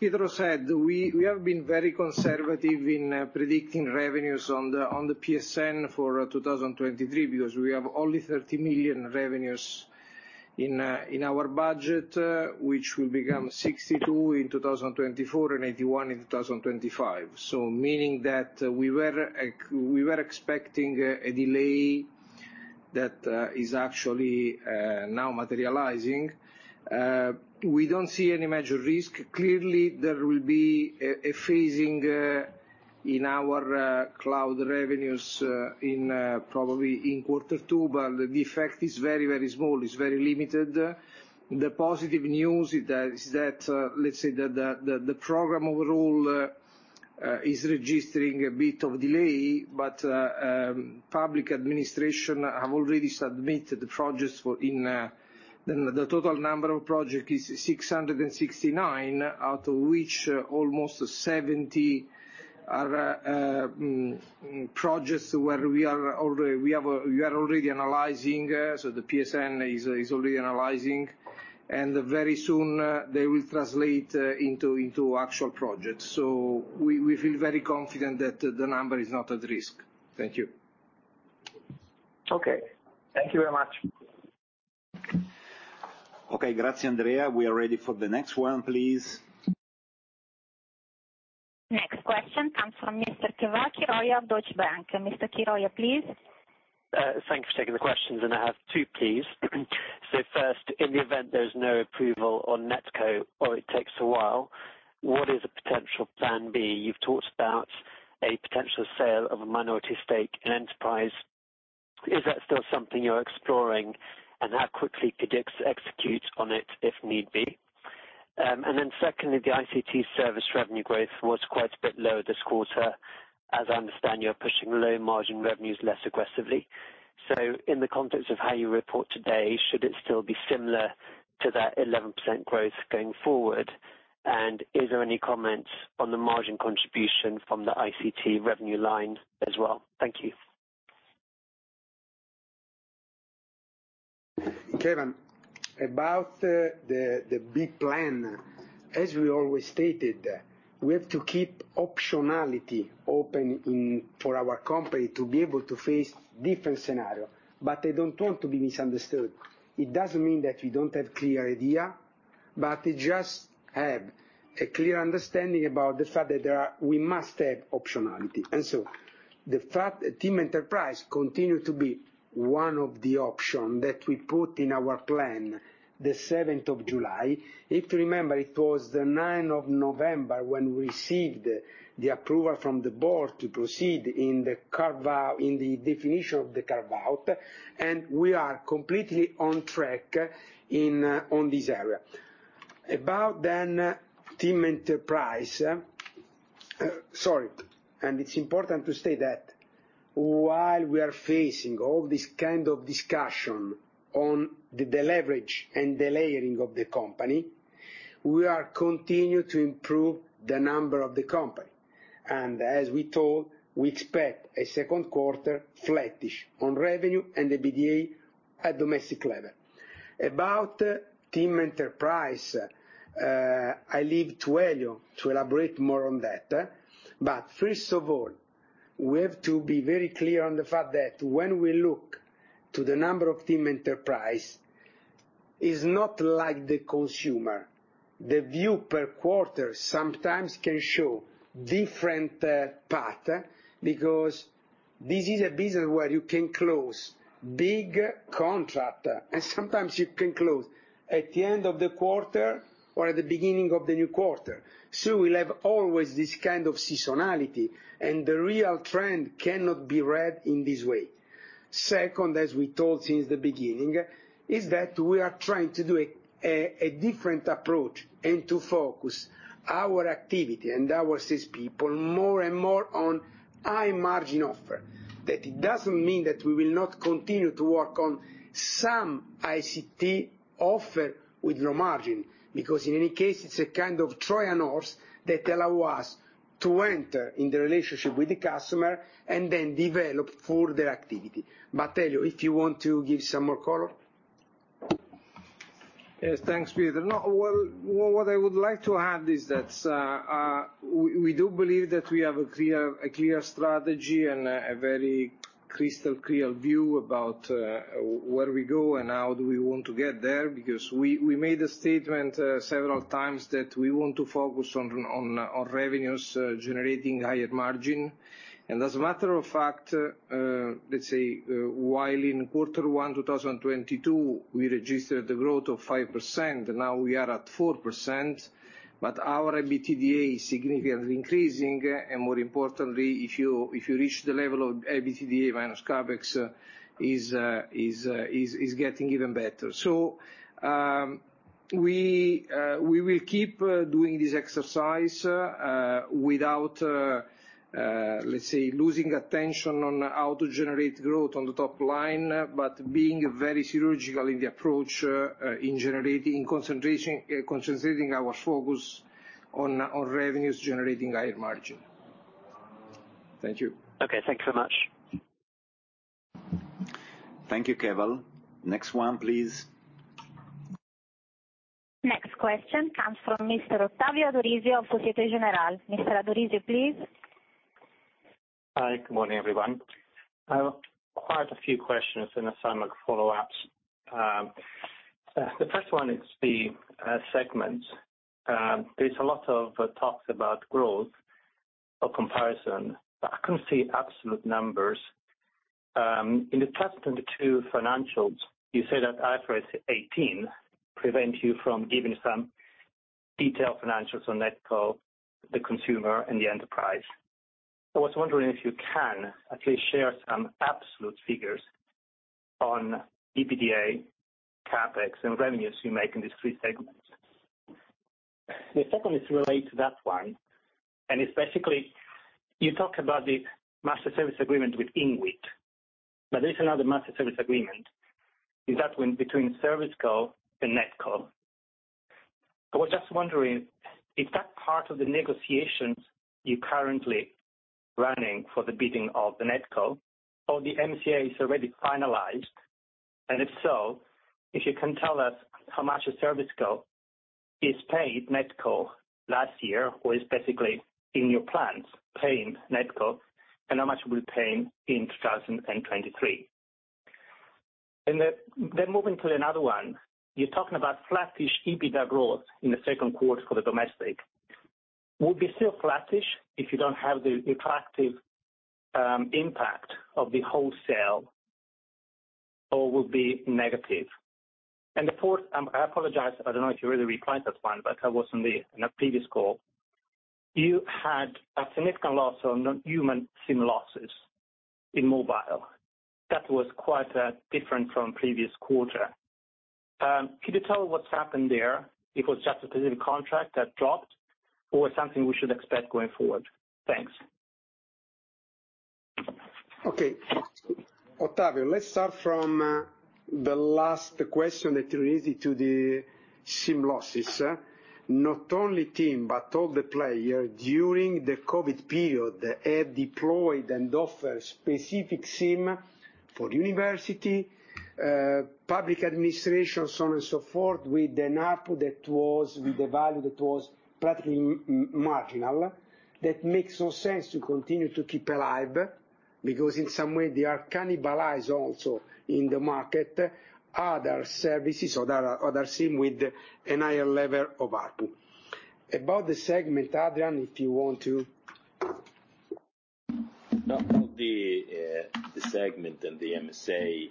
Pietro Labriola said, we have been very conservative in predicting revenues on the PSN for 2023, because we have only 30 million revenues in our budget, which will become 62 in 2024 and 81 in 2025. Meaning that we were expecting a delay that is actually now materializing. We don't see any major risk. Clearly, there will be a phasing in our cloud revenues in probably in quarter two, but the effect is very, very small. It's very limited. The positive news is that the program overall is registering a bit of delay but Public Administration have already submitted the projects. The total number of project is 669, out of which almost 70 are projects where we are already analyzing, so the PSN is already analyzing. Very soon, they will translate into actual projects. We feel very confident that the number is not at risk. Thank you. Okay. Thank you very much. Okay. Grazie, Andrea. We are ready for the next one, please. Next question comes from Mr. Keval Khiroya of Deutsche Bank. Mr. Khiroya, please. Thanks for taking the questions, I have two, please. First, in the event there's no approval on NetCo or it takes a while, what is a potential plan B? You've talked about a potential sale of a minority stake in Enterprise. Is that still something you're exploring? How quickly could X execute on it if need be? Secondly, the ICT service revenue growth was quite a bit lower this quarter. As I understand, you're pushing low margin revenues less aggressively. In the context of how you report today, should it still be similar to that 11% growth going forward? Is there any comment on the margin contribution from the ICT revenue line as well? Thank you. Keval, about the big plan, as we always stated, we have to keep optionality open for our company to be able to face different scenario. I don't want to be misunderstood. It doesn't mean that we don't have clear idea, but it just have a clear understanding about the fact that we must have optionality. The fact that TIM Enterprise continue to be one of the option that we put in our plan the seventh of July. If you remember, it was the ninth of November when we received the approval from the board to proceed in the definition of the carve-out, and we are completely on track in on this area. TIM Enterprise. Sorry. It's important to state that while we are facing all this kind of discussion on the deleverage and delayering of the company. We are continue to improve the number of the company. As we told, we expect a second quarter flattish on revenue and the EBITDA at domestic level. About TIM Enterprise, I leave to Elio to elaborate more on that. First of all, we have to be very clear on the fact that when we look to the number of TIM Enterprise, it's not like the consumer. The view per quarter sometimes can show different path, because this is a business where you can close big contract, and sometimes you can close at the end of the quarter or at the beginning of the new quarter. We'll have always this kind of seasonality, and the real trend cannot be read in this way. Second, as we told since the beginning, is that we are trying to do a different approach and to focus our activity and our sales people more and more on high margin offer. It doesn't mean that we will not continue to work on some ICT offer with low margin, because in any case, it's a kind of Trojan horse that allow us to enter in the relationship with the customer and then develop further activity. Elio, if you want to give some more color. Yes, thanks, Pietro. No. Well, what I would like to add is that we do believe that we have a clear, a clear strategy and a very crystal clear view about where we go and how do we want to get there, because we made a statement several times that we want to focus on revenues generating higher margin. As a matter of fact, let's say, while in quarter one 2022, we registered the growth of 5%, now we are at 4%, but our EBITDA is significantly increasing. More importantly, if you reach the level of EBITDA minus CapEx is getting even better. We will keep doing this exercise without, let's say, losing attention on how to generate growth on the top line, but being very surgical in the approach, concentrating our focus on revenues generating higher margin. Thank you. Okay, thank you so much. Thank you, Keval. Next one, please. Next question comes from Mr. Ottavio Adorisio of Société Générale. Mr. Adorisio, please. Hi, good morning, everyone. I've quite a few questions and some follow-ups. The first one is the segments. There's a lot of talks about growth or comparison, I couldn't see absolute numbers. In the first 22 financials, you said that IFRS 18 prevent you from giving some detailed financials on NetCo, the consumer and the enterprise. I was wondering if you can at least share some absolute figures on EBITDA, CapEx and revenues you make in these three segments. The second is related to that one, it's basically, you talk about the Master Service Agreement with INWIT, there is another Master Service Agreement, is that one between ServiceCo and NetCo. I was just wondering if that part of the negotiations you're currently running for the bidding of the NetCo or the MSA is already finalized. If so, if you can tell us how much has ServiceCo is paid NetCo last year or is basically in your plans paying NetCo, and how much it will pay in 2023. Then moving to another one. You're talking about flattish EBITDA growth in the second quarter for the domestic. Will it be still flattish if you don't have the attractive impact of the wholesale or will be negative? The fourth, I apologize, I don't know if you already replied that one, but I wasn't there in the previous call. You had a significant loss on non-human SIM losses in mobile. That was quite different from previous quarter. Could you tell what's happened there? It was just a specific contract that dropped or something we should expect going forward? Thanks. Okay. Ottavio, let's start from the last question that you raised to the SIM losses. Not only TIM, but all the player during the COVID period have deployed and offer specific SIM for university, public administration, so on and so forth, with an ARPU that was with a value that was practically marginal. That makes no sense to continue to keep alive because in some way they are cannibalized also in the market, other services or other SIM with a higher level of ARPU. About the segment, Adrián, if you want to. No, the segment and the MSA,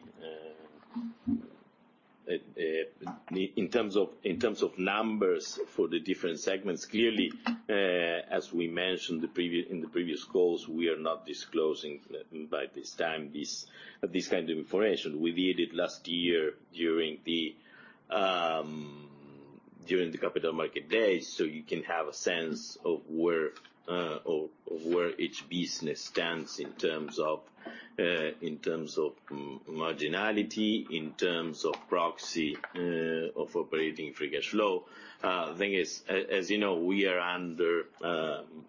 in terms of numbers for the different segments, clearly, as we mentioned in the previous calls, we are not disclosing by this time this kind of information. We did it last year during the. During the capital market days, you can have a sense of where each business stands in terms of marginality, in terms of proxy of Operating Free Cash Flow. The thing is, as you know, we are under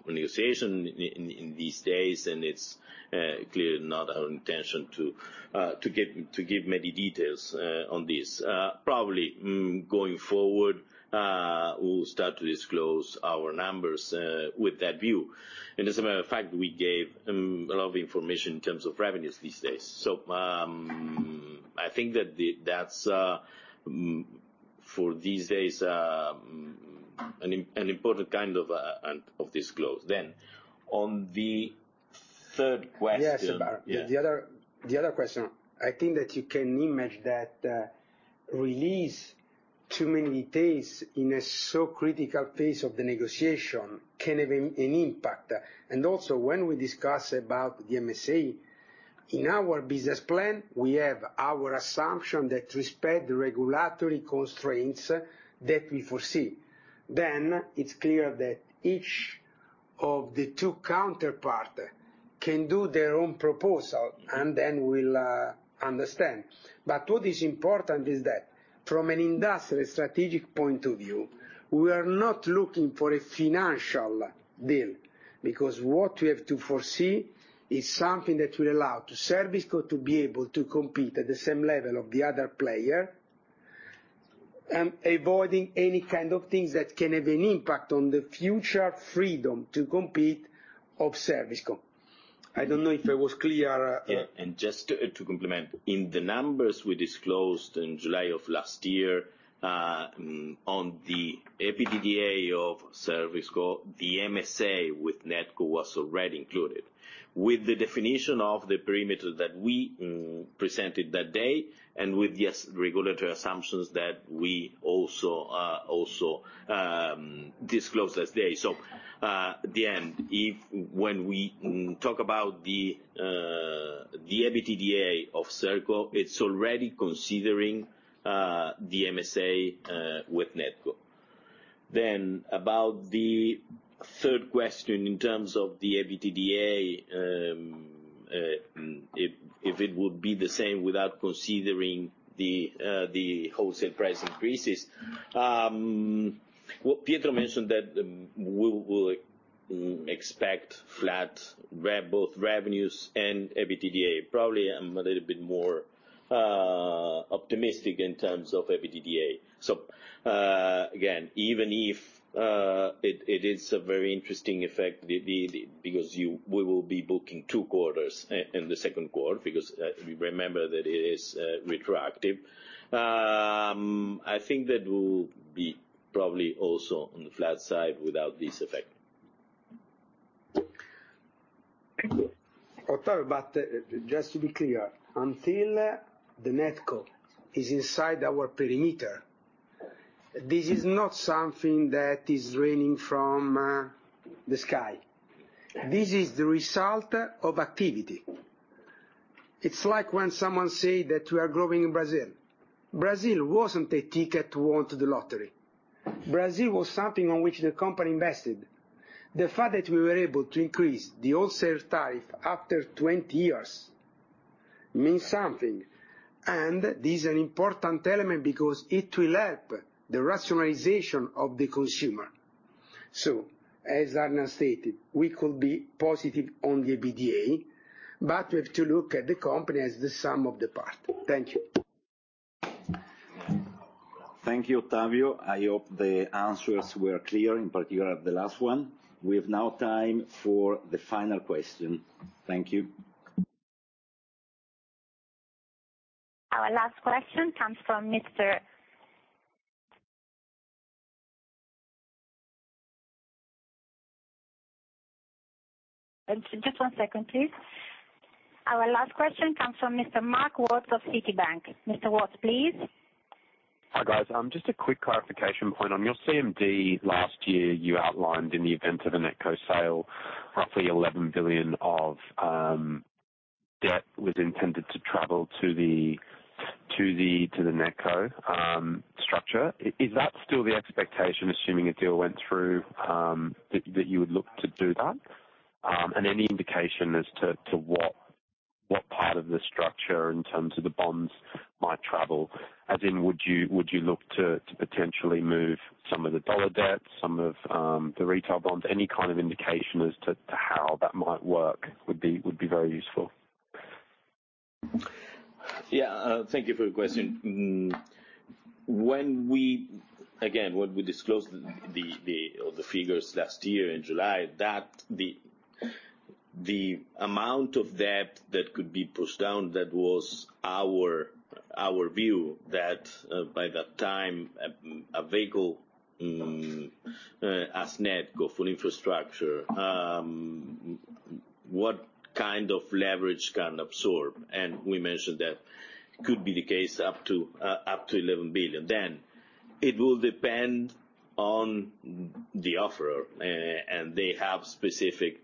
negotiation in these days, and it's clearly not our intention to give many details on this. Probably, going forward, we'll start to disclose our numbers with that view. As a matter of fact, we gave a lot of information in terms of revenues these days. I think that That's for these days an important kind of disclose. On the third question- Yes. Yeah. The other question, I think that you can imagine that release too many things in a so critical phase of the negotiation can have an impact. When we discuss about the MSA, in our business plan, we have our assumption that respect regulatory constraints that we foresee. It's clear that each of the two counterpart can do their own proposal, and then we'll understand. What is important is that from an industry strategic point of view, we are not looking for a financial deal, because what we have to foresee is something that will allow to ServCo to be able to compete at the same level of the other player, avoiding any kind of things that can have an impact on the future freedom to compete of ServCo. I don't know if I was clear. Yeah. Just to complement, in the numbers we disclosed in July of last year, on the EBITDA of ServCo, the MSA with NetCo was already included. With the definition of the perimeter that we presented that day and with the regulatory assumptions that we also disclosed that day. At the end, if when we talk about the EBITDA of ServCo, it's already considering the MSA with NetCo. About the third question in terms of the EBITDA, if it would be the same without considering the wholesale price increases. What Pietro mentioned that we expect flat both revenues and EBITDA. Probably I'm a little bit more optimistic in terms of EBITDA. Again, even if it is a very interesting effect the... Because we will be booking two quarters in the second quarter because we remember that it is retroactive. I think that will be probably also on the flat side without this effect. Ottavio, just to be clear, until the NetCo is inside our perimeter, this is not something that is raining from the sky. This is the result of activity. It's like when someone say that we are growing in Brazil. Brazil wasn't a ticket won to the lottery. Brazil was something on which the company invested. The fact that we were able to increase the wholesale tariff after 20 years means something. This is an important element because it will help the rationalization of the consumer. As Adrián stated, we could be positive on the EBITDA, we have to look at the company as the sum of the part. Thank you. Thank you, Ottavio. I hope the answers were clear, in particular the last one. We have now time for the final question. Thank you. Just one second, please. Our last question comes from Mr. Georgios Ierodiaconou of Citibank. Mr. Watts, please. Hi, guys. Just a quick clarification point. On your CMD last year, you outlined in the event of a NetCo sale, roughly 11 billion of debt was intended to travel to the NetCo structure. Is that still the expectation, assuming a deal went through, that you would look to do that? And any indication as to what part of the structure in terms of the bonds might travel? As in would you look to potentially move some of the dollar debt, some of the retail bonds? Any kind of indication as to how that might work would be very useful. Yeah. Thank you for your question. Again, when we disclosed the all the figures last year in July, that the amount of debt that could be pushed down, that was our view that by that time a vehicle as NetCo for infrastructure, what kind of leverage can absorb, and we mentioned that could be the case up to 11 billion. Then it will dependOn the offer, and they have specific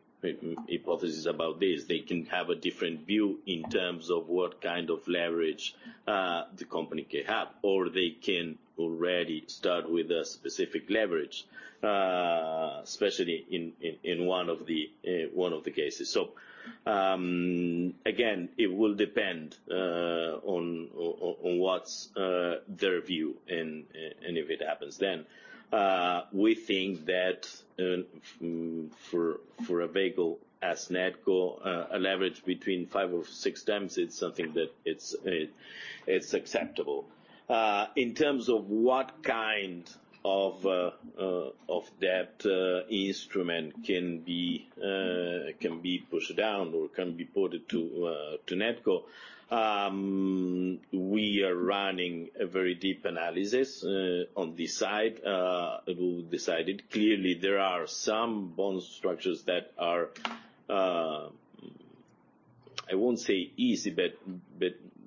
hypothesis about this. They can have a different view in terms of what kind of leverage the company can have, or they can already start with a specific leverage, especially in one of the one of the cases. Again, it will depend on what's their view and if it happens then. We think that, for a vehicle as NetCo, a leverage between five or six times, it's acceptable. In terms of what kind of debt instrument can be pushed down or can be ported to NetCo. We are running a very deep analysis on this side, we decided. Clearly, there are some bond structures that are, I won't say easy, but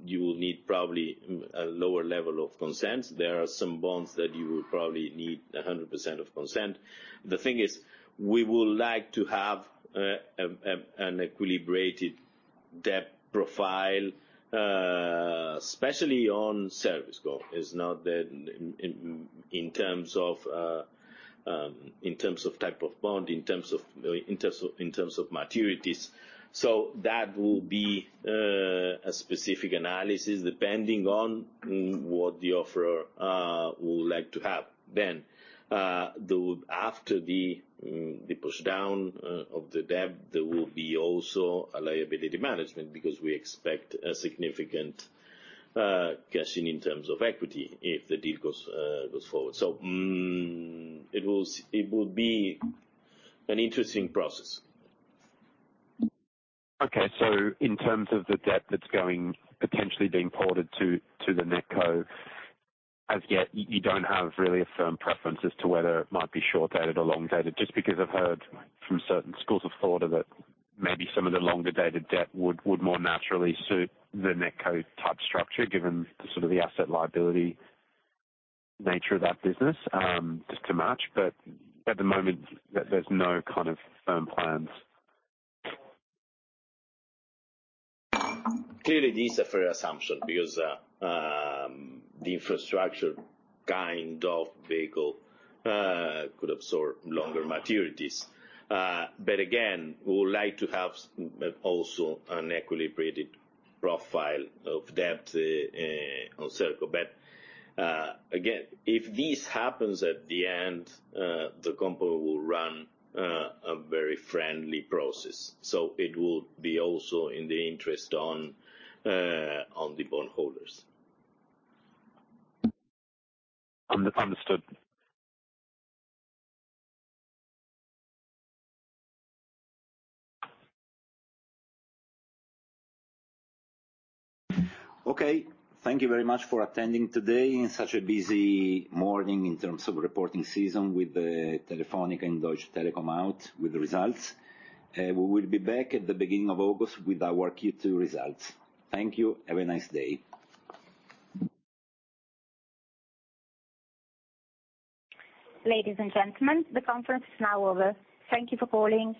you will need probably a lower level of consent. There are some bonds that you will probably need 100% of consent. The thing is, we would like to have an equilibrated debt profile, especially on ServiceCo. It's not that in terms of, in terms of type of bond, in terms of... in terms of maturities. That will be a specific analysis depending on what the offerer would like to have. After the push down of the debt, there will be also a liability management because we expect a significant cashing in terms of equity if the deal goes forward. It will be an interesting process. In terms of the debt that's potentially being ported to the NetCo, as yet, you don't have really a firm preference as to whether it might be short-dated or long-dated. Just because I've heard from certain schools of thought that maybe some of the longer dated debt would more naturally suit the NetCo type structure, given the sort of the asset liability nature of that business, just to match. At the moment, there's no kind of firm plans. Clearly, these are fair assumption because the infrastructure kind of vehicle could absorb longer maturities. Again, we would like to have also an equilibrated profile of debt on ServCo. Again, if this happens at the end, the company will run a very friendly process. It will be also in the interest on the bondholders. Understood. Okay. Thank you very much for attending today in such a busy morning in terms of reporting season with the Telefónica and Deutsche Telekom out with the results. We will be back at the beginning of August with our Q2 results. Thank you. Have a nice day. Ladies and gentlemen, the conference is now over. Thank you for calling.